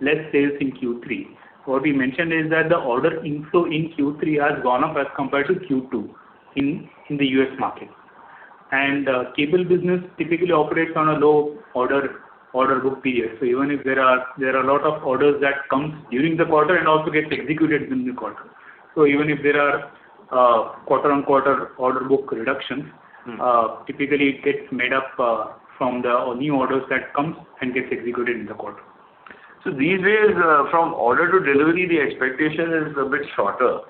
less sales in Q3. What we mentioned is that the order inflow in Q3 has gone up as compared to Q2 in the US market. And cable business typically operates on a low order book period. So even if there are a lot of orders that come during the quarter and also get executed within the quarter, so even if there are quarter-on-quarter order book reductions, typically it gets made up from the new orders that come and get executed in the quarter. So these days, from order to delivery, the expectation is a bit shorter.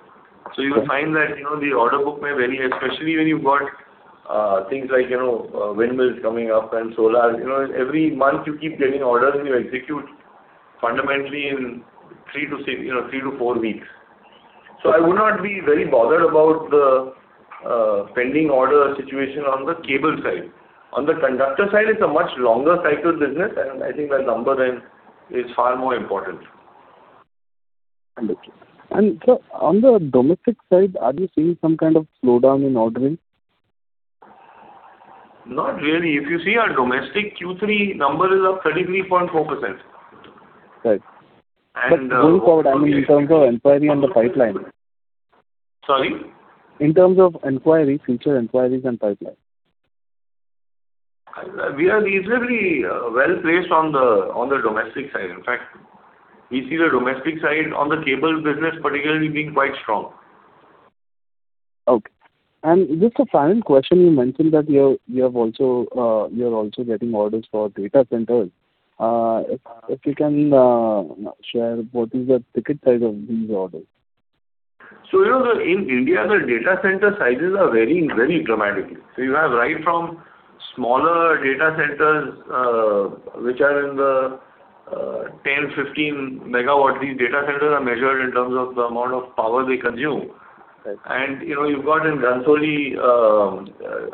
So you will find that the order book may vary, especially when you've got things like windmills coming up and solar. Every month, you keep getting orders and you execute fundamentally in 3-4 weeks. So I would not be very bothered about the pending order situation on the cable side. On the conductor side, it's a much longer cycle business, and I think that number then is far more important. Understood. And sir, on the domestic side, are you seeing some kind of slowdown in ordering? Not really. If you see our domestic Q3 number is up 33.4%. Right. And going forward, I mean, in terms of inquiry and the pipeline? Sorry? In terms of inquiry, future inquiries and pipeline. We are reasonably well placed on the domestic side. In fact, we see the domestic side on the cable business particularly being quite strong. Okay. And just a final question. You mentioned that you're also getting orders for data centers. If you can share what is the ticket size of these orders? So in India, the data center sizes are varying very dramatically. So you have right from smaller data centers which are in the 10-15 MW. These data centers are measured in terms of the amount of power they consume. And you've got in Ghansoli,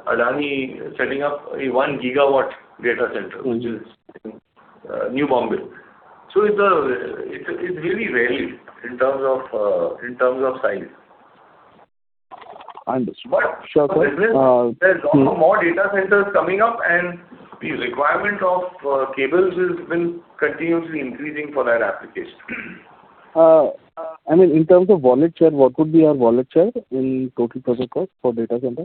Adani setting up a 1 GW data center, which is in Navi Mumbai. So it's really rarely in terms of size. Understood. But there's a lot more data centers coming up, and the requirement of cables will continuously increase for that application. I mean, in terms of volume, what would be your volume in total total cost for data center?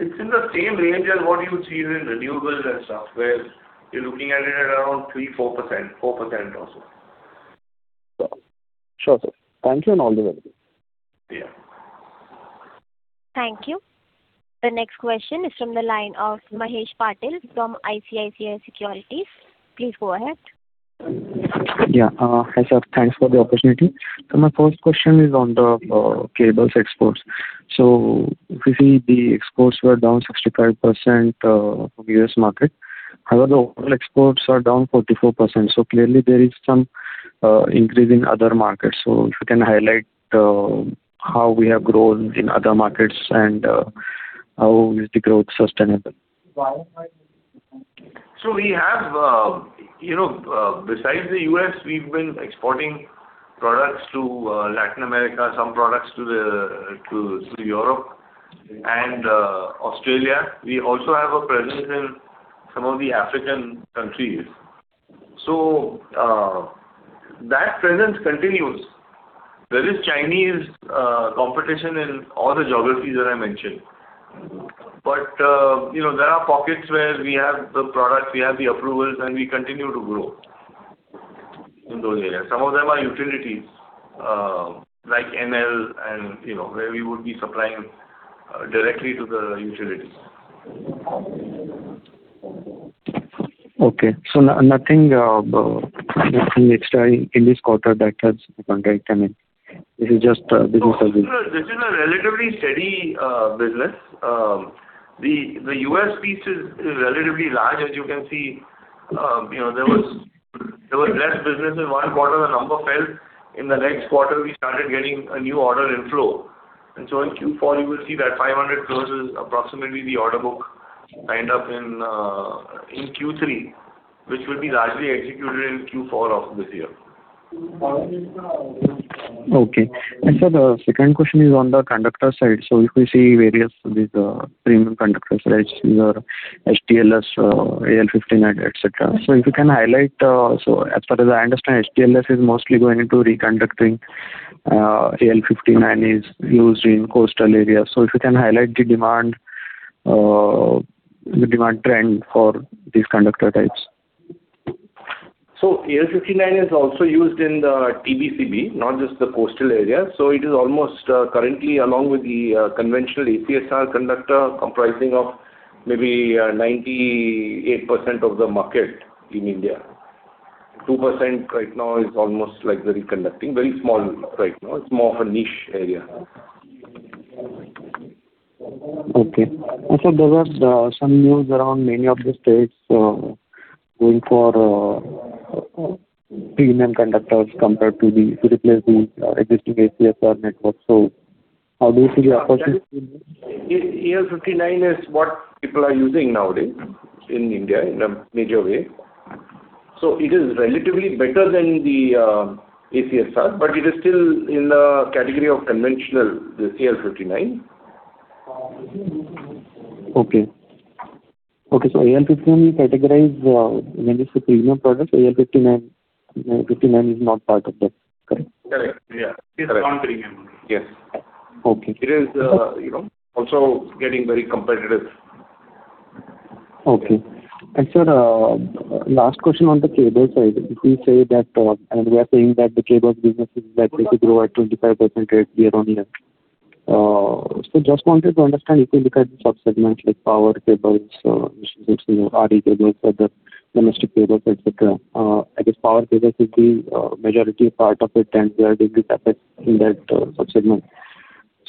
It's in the same range as what you would see in renewables and stuff, where you're looking at it at around 3%-4%, 4% also. Sure, sir. Thank you and all the best. Yeah. Thank you. The next question is from the line of Mahesh Patil from ICICI Securities. Please go ahead. Yeah. Hi, sir. Thanks for the opportunity. So my first question is on the cables exports. So we see the exports were down 65% from U.S. market. However, the overall exports are down 44%. So clearly, there is some increase in other markets. So if you can highlight how we have grown in other markets and how is the growth sustainable? So we have, besides the U.S., we've been exporting products to Latin America, some products to Europe, and Australia. We also have a presence in some of the African countries. So that presence continues. There is Chinese competition in all the geographies that I mentioned. But there are pockets where we have the products, we have the approvals, and we continue to grow in those areas. Some of them are utilities like ML, where we would be supplying directly to the utilities. Okay. So nothing extra in this quarter that has gone right? I mean, this is just business as well. This is a relatively steady business. The U.S. piece is relatively large, as you can see. There was less business in one quarter. The number fell. In the next quarter, we started getting a new order inflow. So in Q4, you will see that 500 crores is approximately the order book lined up in Q3, which will be largely executed in Q4 of this year. Okay. And sir, the second question is on the conductor side. So if we see various premium conductors, HTLS, AL59, etc. So if you can highlight, so as far as I understand, HTLS is mostly going into reconductoring. AL59 is used in coastal areas. So if you can highlight the demand trend for these conductor types. So AL59 is also used in the TBCB, not just the coastal areas. So it is almost currently, along with the conventional ACSR conductor, comprising maybe 98% of the market in India. 2% right now is almost like the reconductoring. Very small right now. It is more of a niche area. Okay. Sir, there were some news around many of the states going for premium conductors compared to replace the existing ACSR network. So how do you see the opportunity? AL59 is what people are using nowadays in India in a major way. So it is relatively better than the ACSR, but it is still in the category of conventional, the AL59. Okay. Okay. So AL59 categorized when you see premium products, AL59 is not part of that. Correct? Correct. Yeah. It's non-premium. Yes. It is also getting very competitive. Okay. And sir, last question on the cable side. If we say that, and we are saying that the cable business is likely to grow at 25% rate year-on-year, so just wanted to understand if you look at the subsegments like power cables, RE cables, other domestic cables, etc. I guess power cables will be a majority part of it, and we are doing the CAPEX in that subsegment.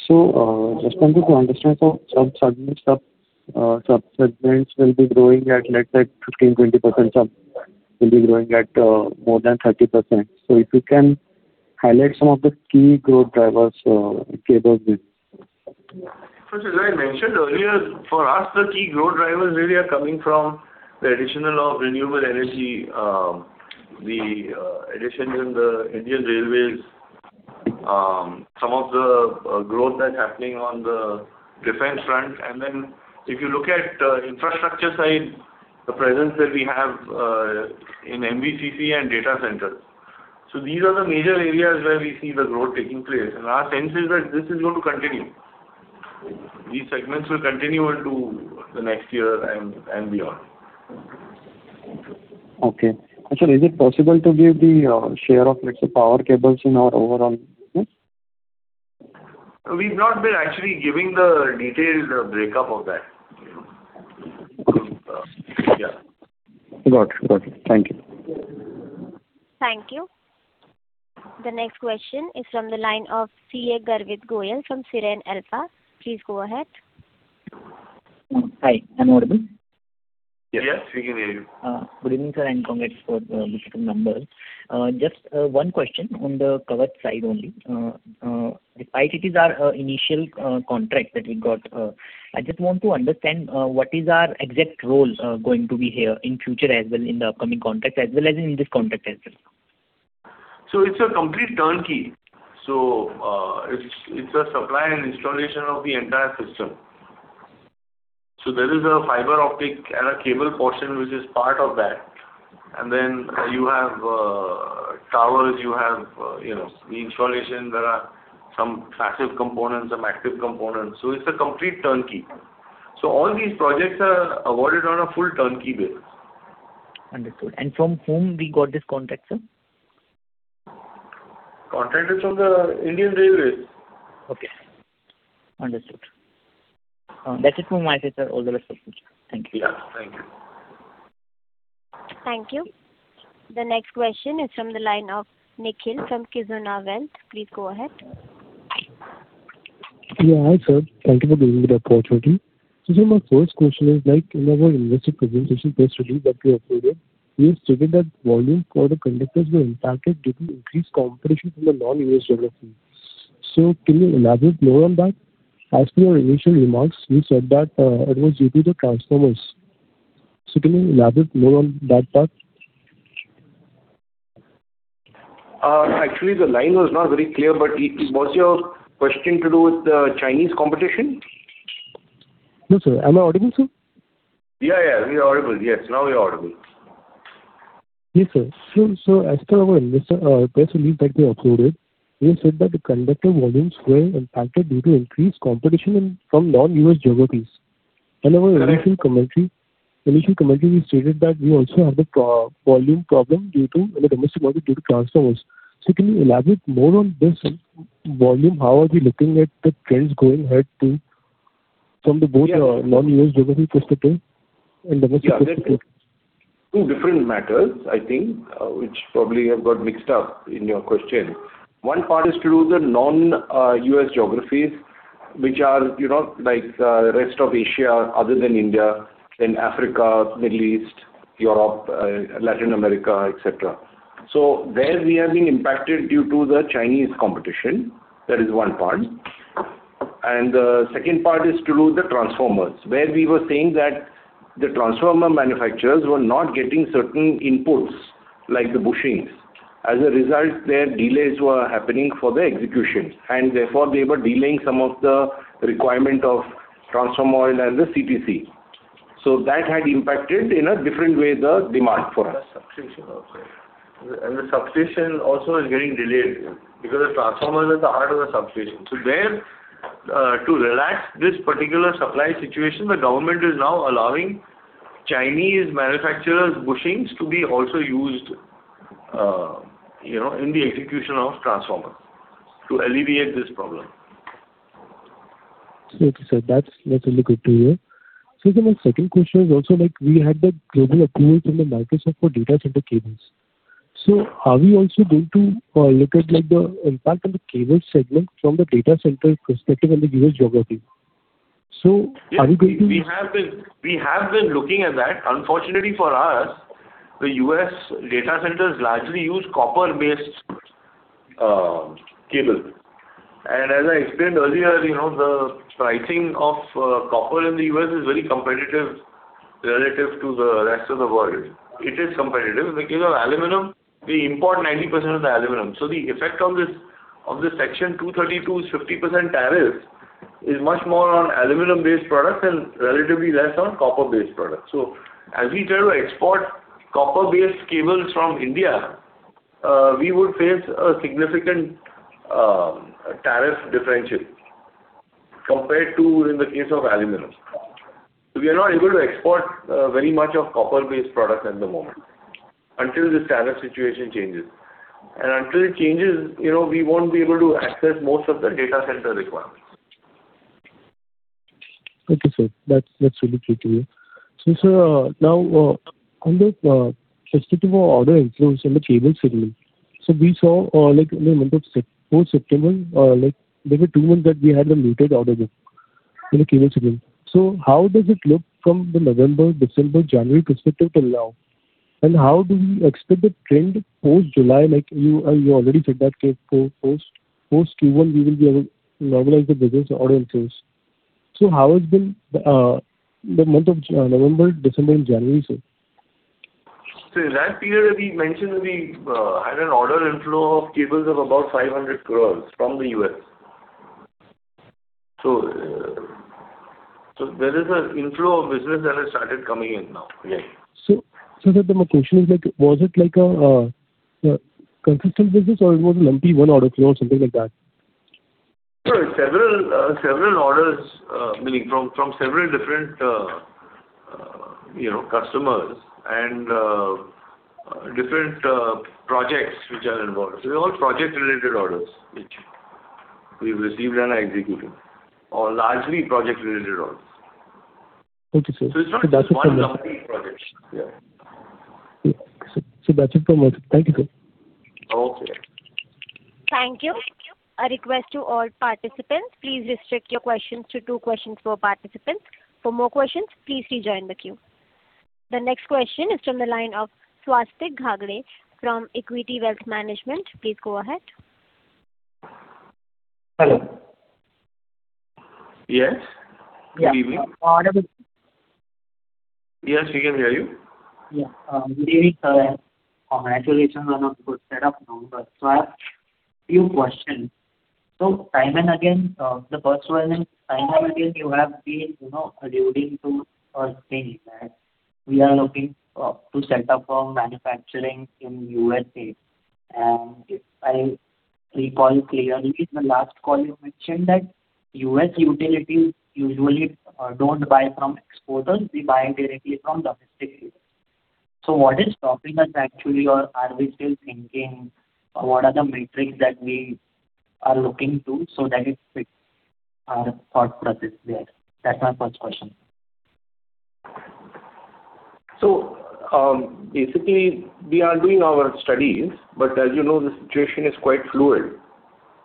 So just wanted to understand, so subsegments will be growing at, let's say, 15%-20%, some will be growing at more than 30%. So if you can highlight some of the key growth drivers, cables business. So as I mentioned earlier, for us, the key growth drivers really are coming from the addition of renewable energy, the addition in the Indian Railways, some of the growth that's happening on the defense front. And then if you look at infrastructure side, the presence that we have in MVCC and data centers. So these are the major areas where we see the growth taking place. And our sense is that this is going to continue. These segments will continue into the next year and beyond. Okay. Sir, is it possible to give the share of, let's say, power cables in our overall business? We've not been actually giving the detailed breakup of that. Yeah. Got it. Got it. Thank you. Thank you. The next question is from the line of Garvit Goyal from Sireen Alpa. Please go ahead. Hi. Am I audible? Yes. Yes. We can hear you. Good evening, sir. Congrats for the good numbers. Just one question on the covered side only. This is our initial contract that we got. I just want to understand what is our exact role going to be here in future as well in the upcoming contract as well as in this contract as well. So it's a complete turnkey. So it's a supply and installation of the entire system. So there is a fiber optic and a cable portion which is part of that. And then you have towers, you have the installation. There are some passive components, some active components. So it's a complete turnkey. So all these projects are awarded on a full turnkey basis. Understood. And from whom we got this contract, sir? Contract is from the Indian Railways. Okay. Understood. That's it from my side, sir. All the best for the future. Thank you. Yeah. Thank you. Thank you. The next question is from the line of Nikhil from Kizuna Wealth. Please go ahead. Yeah. Hi, sir. Thank you for giving me the opportunity. So sir, my first question is, in our investor presentation press release that we uploaded, we have stated that volume for the conductors were impacted due to increased competition from the non-US geography. So can you elaborate more on that? As per your initial remarks, you said that it was due to the transformers. So can you elaborate more on that part? Actually, the line was not very clear, but was your question to do with the Chinese competition? No, sir. Am I audible, sir? Yeah, yeah. We are audible. Yes. Now we are audible. Yes, sir. So as per our investor press release that we uploaded, we have said that the conductor volumes were impacted due to increased competition from non-US geographies. And our initial commentary stated that we also have the volume problem in the domestic market due to transformers. So can you elaborate more on this volume? How are we looking at the trends going ahead from both the non-US geography perspective and domestic perspective? Two different matters, I think, which probably have got mixed up in your question. One part is to do with the non-US geographies, which are like the rest of Asia other than India, then Africa, Middle East, Europe, Latin America, etc. So there we have been impacted due to the Chinese competition. That is one part. And the second part is to do with the transformers, where we were saying that the transformer manufacturers were not getting certain inputs like the bushings. As a result, their delays were happening for the execution. And therefore, they were delaying some of the requirement of transformer oil and the CTC. So that had impacted in a different way the demand for us. And the substitution also is getting delayed because the transformer is at the heart of the substitution. So to relax this particular supply situation, the government is now allowing Chinese manufacturers' bushings to be also used in the execution of transformers to alleviate this problem. Thank you, sir. That's a look at two here. So sir, my second question is also, we had the global approval from Microsoft for data center cables. So are we also going to look at the impact on the cable segment from the data center perspective in the U.S. geography? So are we going to? We have been looking at that. Unfortunately for us, the U.S. data centers largely use copper-based cables. And as I explained earlier, the pricing of copper in the U.S. is very competitive relative to the rest of the world. It is competitive. In the case of aluminum, we import 90% of the aluminum. So the effect on this Section 232's 50% tariff is much more on aluminum-based products and relatively less on copper-based products. So as we try to export copper-based cables from India, we would face a significant tariff differential compared to in the case of aluminum. So we are not able to export very much of copper-based products at the moment until this tariff situation changes. And until it changes, we won't be able to access most of the data center requirements. Okay, sir. That's really true to you. So sir, now on the perspective of order inflows in the cable segment, so we saw in the month of September, there were two months that we had a muted order book in the cable segment. So how does it look from the November, December, January perspective till now? And how do we expect the trend post-July? You already said that post-Q1, we will be able to normalize the business order inflows. So how has been the month of November, December, and January, sir? So in that period, as we mentioned, we had an order inflow of cables of about 500 crore from the U.S. So there is an inflow of business that has started coming in now. So sir, then my question is, was it like a consistent business or it was a lumpy one-order flow or something like that? Several orders, meaning from several different customers and different projects which are involved. So they're all project-related orders which we've received and are executing, or largely project-related orders. Okay, sir. So that's it from my side. Yeah. Okay. So that's it from my side. Thank you, sir. Okay. Thank you. A request to all participants. Please restrict your questions to two questions per participant. For more questions, please rejoin the queue. The next question is from the line of Swastik Ghadge from Equity Wealth Management. Please go ahead. Hello. Yes. Good evening. Yes, we can hear you. Yeah. Good evening, sir. Actually, things are not good set up now, but so I have a few questions. Time and again, the first one is, time and again, you have been alluding to a thing that we are looking to set up for manufacturing in the USA. And if I recall clearly, the last call you mentioned that US utilities usually don't buy from exporters. They buy directly from domestic cables. So what is stopping us actually, or are we still thinking, or what are the metrics that we are looking to so that it fits our thought process there? That's my first question. So basically, we are doing our studies, but as you know, the situation is quite fluid.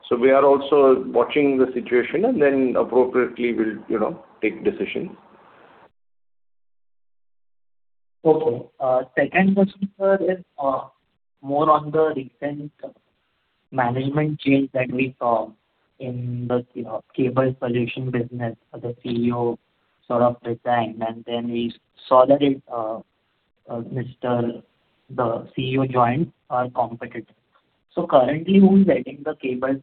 So we are also watching the situation and then appropriately will take decisions. Okay. Second question, sir, is more on the recent management change that we saw in the cable solution business, the CEO sort of resigned, and then we saw that Mr. the CEO joined our competitor. So currently, who's heading the cable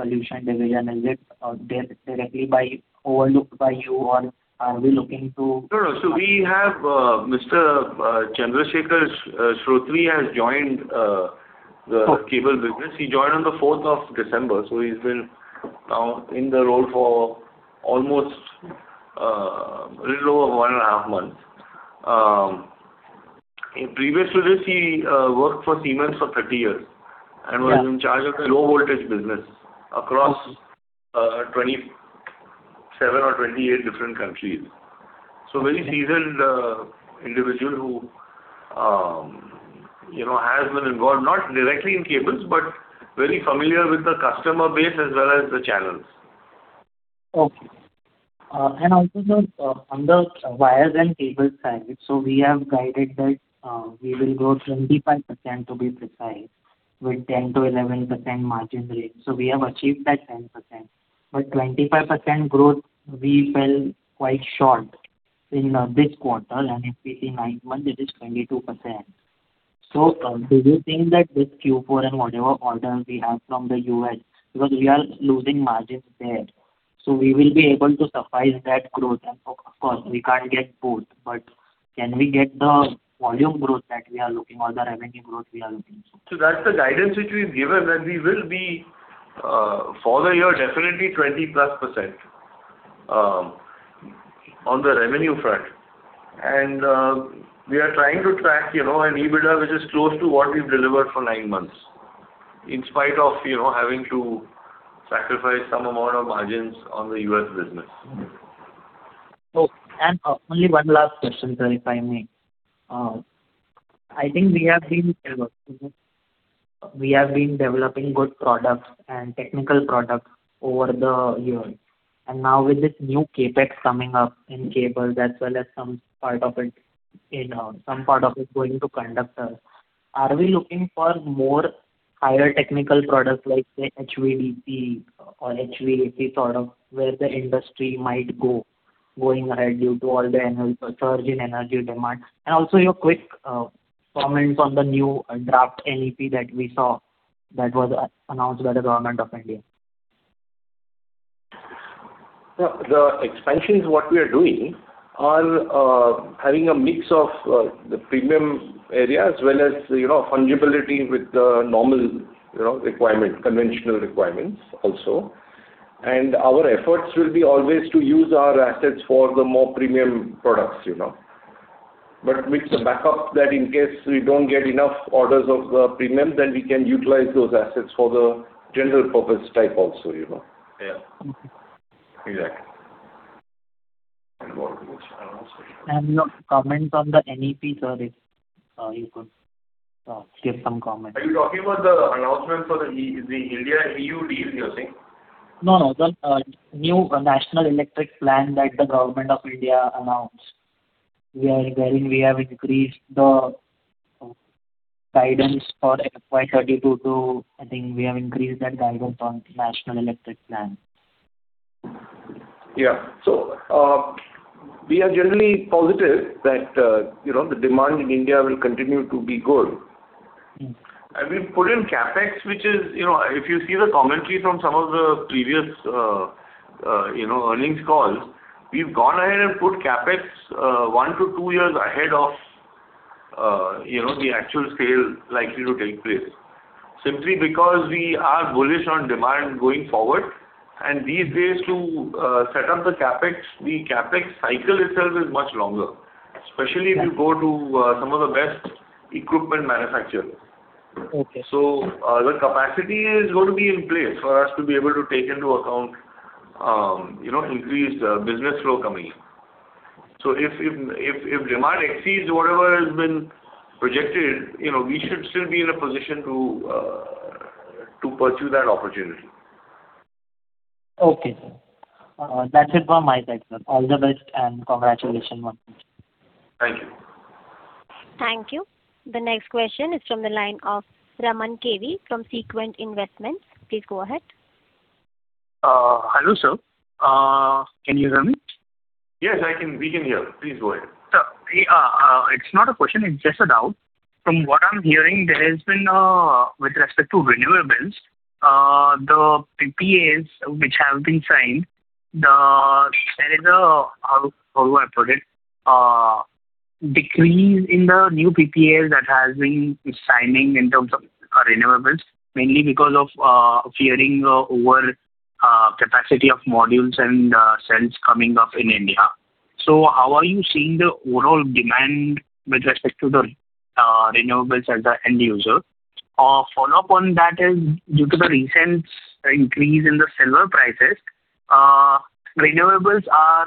solution division? Is it directly overlooked by you, or are we looking to? No, no. So we have Mr. Chandrasekhar Shrotri has joined the cable business. He joined on the 4th of December. So he's been in the role for almost a little over one and a half months. Previous to this, he worked for Siemens for 30 years and was in charge of the low-voltage business across 27 or 28 different countries. So a very seasoned individual who has been involved, not directly in cables, but very familiar with the customer base as well as the channels. Okay. And also, sir, under wires and cables side, so we have guided that we will grow 25% to be precise with 10%-11% margin rate. So we have achieved that 10%. But 25% growth, we fell quite short in this quarter, and if we see ninth month, it is 22%. So do you think that this Q4 and whatever order we have from the U.S., because we are losing margins there, so we will be able to suffice that growth? And of course, we can't get both, but can we get the volume growth that we are looking or the revenue growth we are looking for? So that's the guidance which we've given that we will be for the year, definitely 20%+ on the revenue front. And we are trying to track an EBITDA which is close to what we've delivered for nine months, in spite of having to sacrifice some amount of margins on the U.S. business. Okay. And only one last question, sir, if I may. I think we have been developing good products and technical products over the years. And now with this new CAPEX coming up in cables as well as some part of it, some part of it going to conductors, are we looking for more higher technical products like the HVDC or HVAC sort of where the industry might go going ahead due to all the energy demand? Also your quick comments on the new draft NEP that we saw that was announced by the Government of India? The expansions what we are doing are having a mix of the premium area as well as fungibility with the normal requirement, conventional requirements also. Our efforts will be always to use our assets for the more premium products. But with the backup that in case we don't get enough orders of the premium, then we can utilize those assets for the general purpose type also. Yeah. Exactly. And your comments on the NEP, sir, if you could give some comments. Are you talking about the announcement for the India-EU deal, you're saying? No, no. The new National Electricity Plan that the Government of India announced, wherein we have increased the guidance for FY32 to, I think we have increased that guidance on National Electricity Plan. Yeah. So we are generally positive that the demand in India will continue to be good. And we've put in CAPEX, which is, if you see the commentary from some of the previous earnings calls, we've gone ahead and put CAPEX 1-2 years ahead of the actual sale likely to take place. Simply because we are bullish on demand going forward. And these days, to set up the CAPEX, the CAPEX cycle itself is much longer, especially if you go to some of the best equipment manufacturers. So the capacity is going to be in place for us to be able to take into account increased business flow coming in. So if demand exceeds whatever has been projected, we should still be in a position to pursue that opportunity. Okay, sir. That's it from my side, sir. All the best and congratulations on that. Thank you. Thank you. The next question is from the line of Raman KV from Sequent Investments. Please go ahead. Hello, sir. Can you hear me? Yes, we can hear you. Please go ahead. It's not a question. It's just a doubt. From what I'm hearing, there has been, with respect to renewables, the PPAs which have been signed, there is a, how do I put it, decrease in the new PPAs that has been signing in terms of renewables, mainly because of fearing over capacity of modules and cells coming up in India. So how are you seeing the overall demand with respect to the renewables as an end user? Follow-up on that is, due to the recent increase in the silver prices, renewables are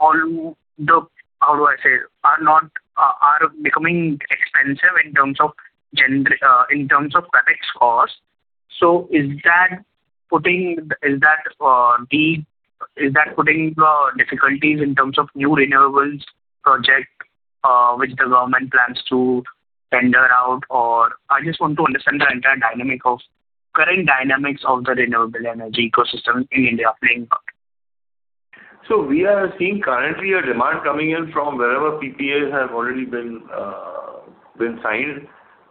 all the, how do I say, are becoming expensive in terms of CAPEX cost. So is that putting the difficulties in terms of new renewables project which the government plans to tender out, or I just want to understand the entire dynamic of current dynamics of the renewable energy ecosystem in India playing out? So we are seeing currently a demand coming in from wherever PPAs have already been signed.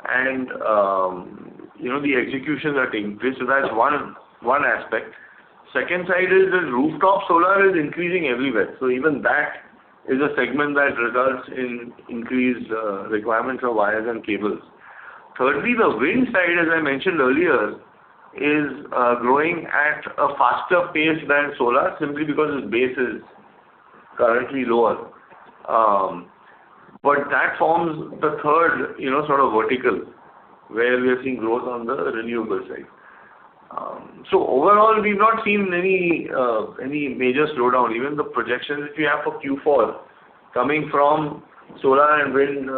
And the executions are increased. So that's one aspect. Second side is that rooftop solar is increasing everywhere. So even that is a segment that results in increased requirements of wires and cables. Thirdly, the wind side, as I mentioned earlier, is growing at a faster pace than solar simply because its base is currently lower. But that forms the third sort of vertical where we are seeing growth on the renewable side. So overall, we've not seen any major slowdown. Even the projections which we have for Q4 coming from solar and wind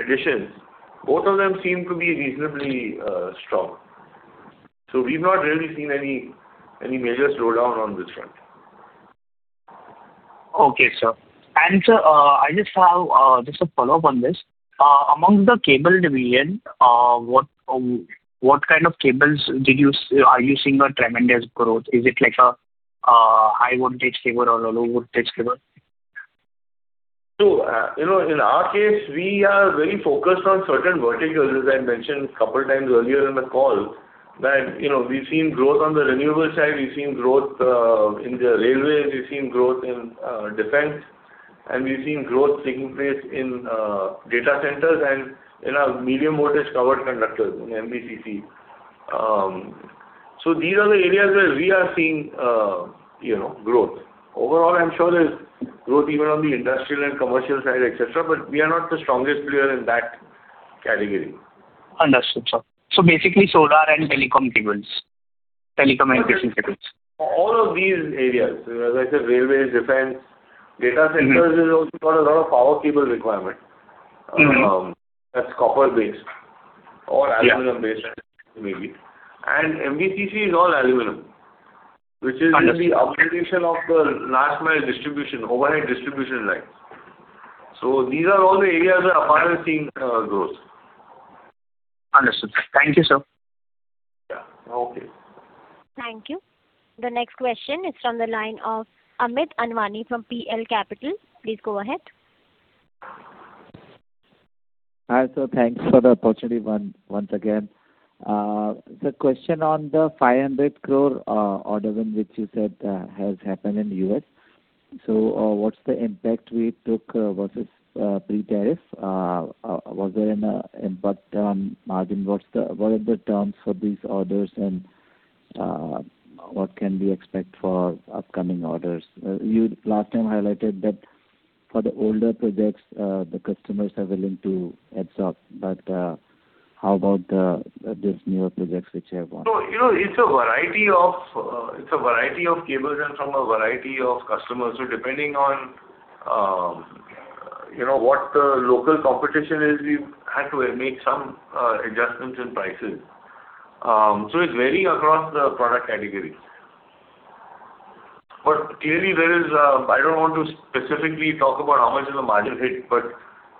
additions, both of them seem to be reasonably strong. So we've not really seen any major slowdown on this front. Okay, sir. And sir, I just have a follow-up on this. Among the cable division, what kind of cables are you seeing a tremendous growth? Is it like a high-voltage cable or a low-voltage cable? So in our case, we are very focused on certain verticals, as I mentioned a couple of times earlier in the call, that we've seen growth on the renewable side. We've seen growth in the railways. We've seen growth in defense. And we've seen growth taking place in data centers and in our medium-voltage covered conductors in MVCC. So these are the areas where we are seeing growth. Overall, I'm sure there's growth even on the industrial and commercial side, etc., but we are not the strongest player in that category. Understood, sir. So basically, solar and telecom cables, telecommunication cables. All of these areas, as I said, railways, defense, data centers have also got a lot of power cable requirement. That's copper-based or aluminum-based, maybe. And MVCC is all aluminum, which is the augmentation of the last-mile distribution, overhead distribution lines. So these are all the areas where APAR is seeing growth. Understood, sir. Thank you, sir. Yeah. Okay. Thank you. The next question is from the line of Amit Anwani from PL Capital. Please go ahead. Hi, sir. Thanks for the opportunity once again. It's a question on the 500 crore order which you said has happened in the US. So what's the impact we took versus pre-tariff? Was there an impact on margin? What are the terms for these orders, and what can we expect for upcoming orders? You last time highlighted that for the older projects, the customers are willing to absorb. But how about these newer projects which have won? So it's a variety of cables and from a variety of customers. So depending on what the local competition is, we've had to make some adjustments in prices. So it's varying across the product categories. But clearly, there is a—I don't want to specifically talk about how much of the margin hit, but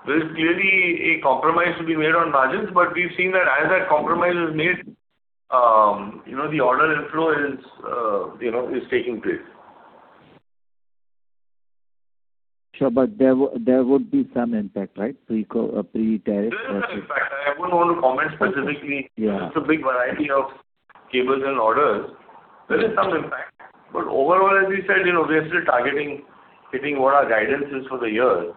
there is clearly a compromise to be made on margins. But we've seen that as that compromise is made, the order inflow is taking place. Sure, but there would be some impact, right? Pre-tariff versus— In fact, I wouldn't want to comment specifically. It's a big variety of cables and orders. There is some impact. But overall, as we said, we are still targeting, hitting what our guidance is for the year.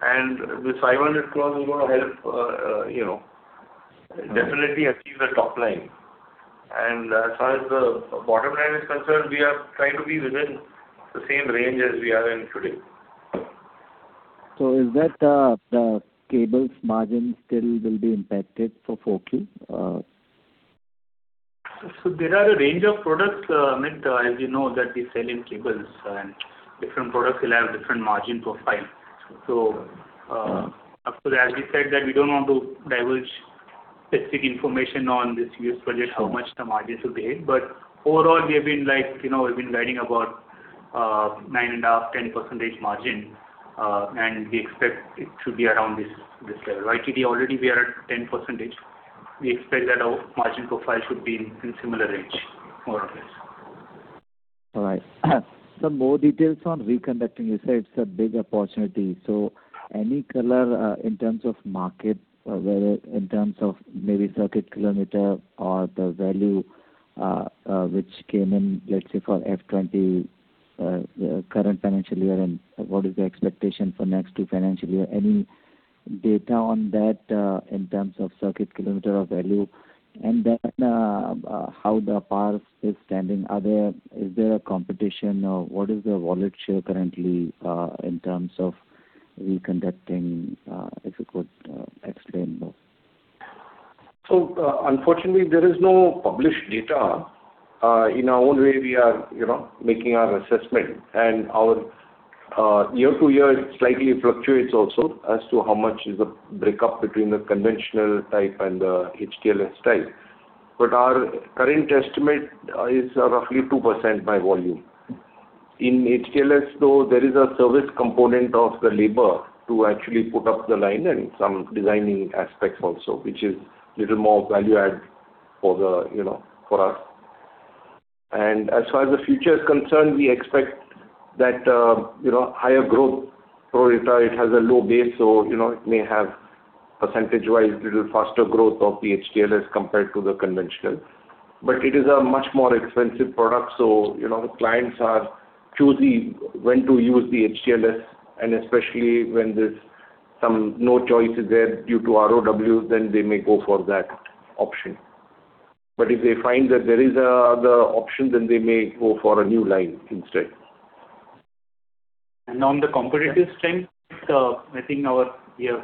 And this 500 crore is going to help definitely achieve the top line. And as far as the bottom line is concerned, we are trying to be within the same range as we are in today. So is that the cables margin still will be impacted for 4Q? So there are a range of products. Amit, as you know, that we sell in cables, and different products will have different margin profile. So of course, as we said, that we don't want to divulge specific information on this US project, how much the margin should behave. But overall, we have been like we've been guiding about 9.5%-10% margin. And we expect it should be around this level. YTD already, we are at 10%. We expect that our margin profile should be in similar range, more or less. All right. Sir, more details on reconductoring. You said it's a big opportunity. So any color in terms of market, whether in terms of maybe circuit kilometer or the value which came in, let's say, for FY20 current financial year, and what is the expectation for next two financial years? Any data on that in terms of circuit kilometer or value? And then how APAR is standing? Is there a competition, or what is the volatility currently in terms of reconductoring, if you could explain more? So unfortunately, there is no published data. In our own way, we are making our assessment. And our year-to-year slightly fluctuates also as to how much is the breakup between the conventional type and the HTLS type. But our current estimate is roughly 2% by volume. In HTLS, though, there is a service component of the labor to actually put up the line and some designing aspects also, which is a little more value-add for us. And as far as the future is concerned, we expect that higher growth rate. It has a low base, so it may have percentage-wise a little faster growth of the HTLS compared to the conventional. But it is a much more expensive product, so clients are choosy when to use the HTLS. And especially when there's no choice there due to ROWs, then they may go for that option. But if they find that there is another option, then they may go for a new line instead. And on the competitive strength, I think you've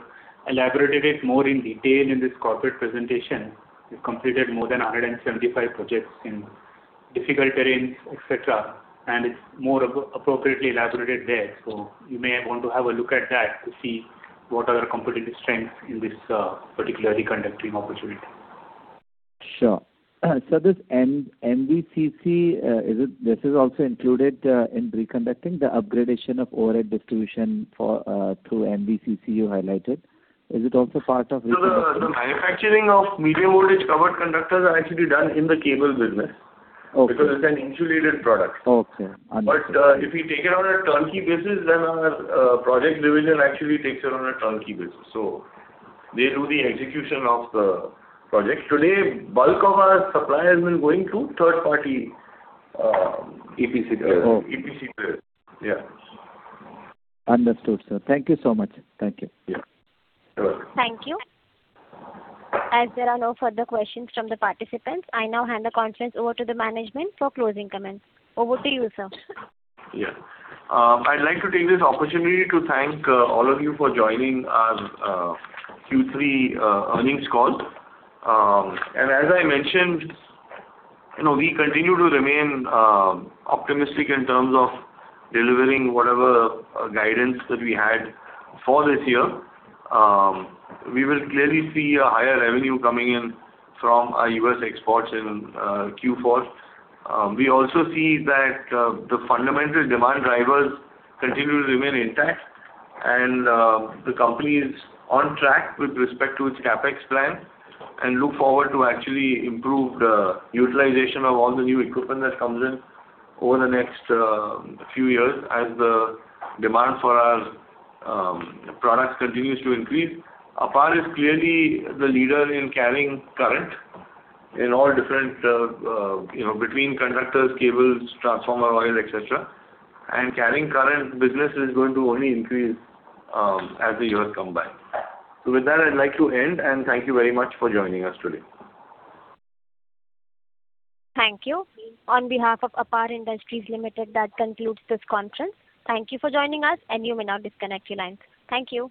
elaborated it more in detail in this corporate presentation. You've completed more than 175 projects in difficult terrains, etc. It's more appropriately elaborated there. So you may want to have a look at that to see what are the competitive strengths in this particular reconductoring opportunity. Sure. So this MVCC, this is also included in reconductoring the upgradation of overhead distribution through MVCC you highlighted. Is it also part of reconductoring? The manufacturing of medium-voltage covered conductors are actually done in the cable business because it's an insulated product. But if you take it on a turnkey basis, then our project division actually takes it on a turnkey basis. So they do the execution of the project. Today, bulk of our supply has been going through third-party EPC players. Yeah. Understood, sir. Thank you so much. Thank you. Yeah. You're welcome. Thank you. As there are no further questions from the participants, I now hand the conference over to the management for closing comments. Over to you, sir. Yeah. I'd like to take this opportunity to thank all of you for joining our Q3 earnings call. And as I mentioned, we continue to remain optimistic in terms of delivering whatever guidance that we had for this year. We will clearly see a higher revenue coming in from our U.S. exports in Q4. We also see that the fundamental demand drivers continue to remain intact, and the company is on track with respect to its CAPEX plan and looks forward to actually improved utilization of all the new equipment that comes in over the next few years as the demand for our products continues to increase. APAR is clearly the leader in carrying current in all different between conductors, cables, transformer oil, etc. And carrying current business is going to only increase as the years come by. With that, I'd like to end, and thank you very much for joining us today. Thank you. On behalf of APAR Industries Limited, that concludes this conference. Thank you for joining us, and you may now disconnect your lines. Thank you.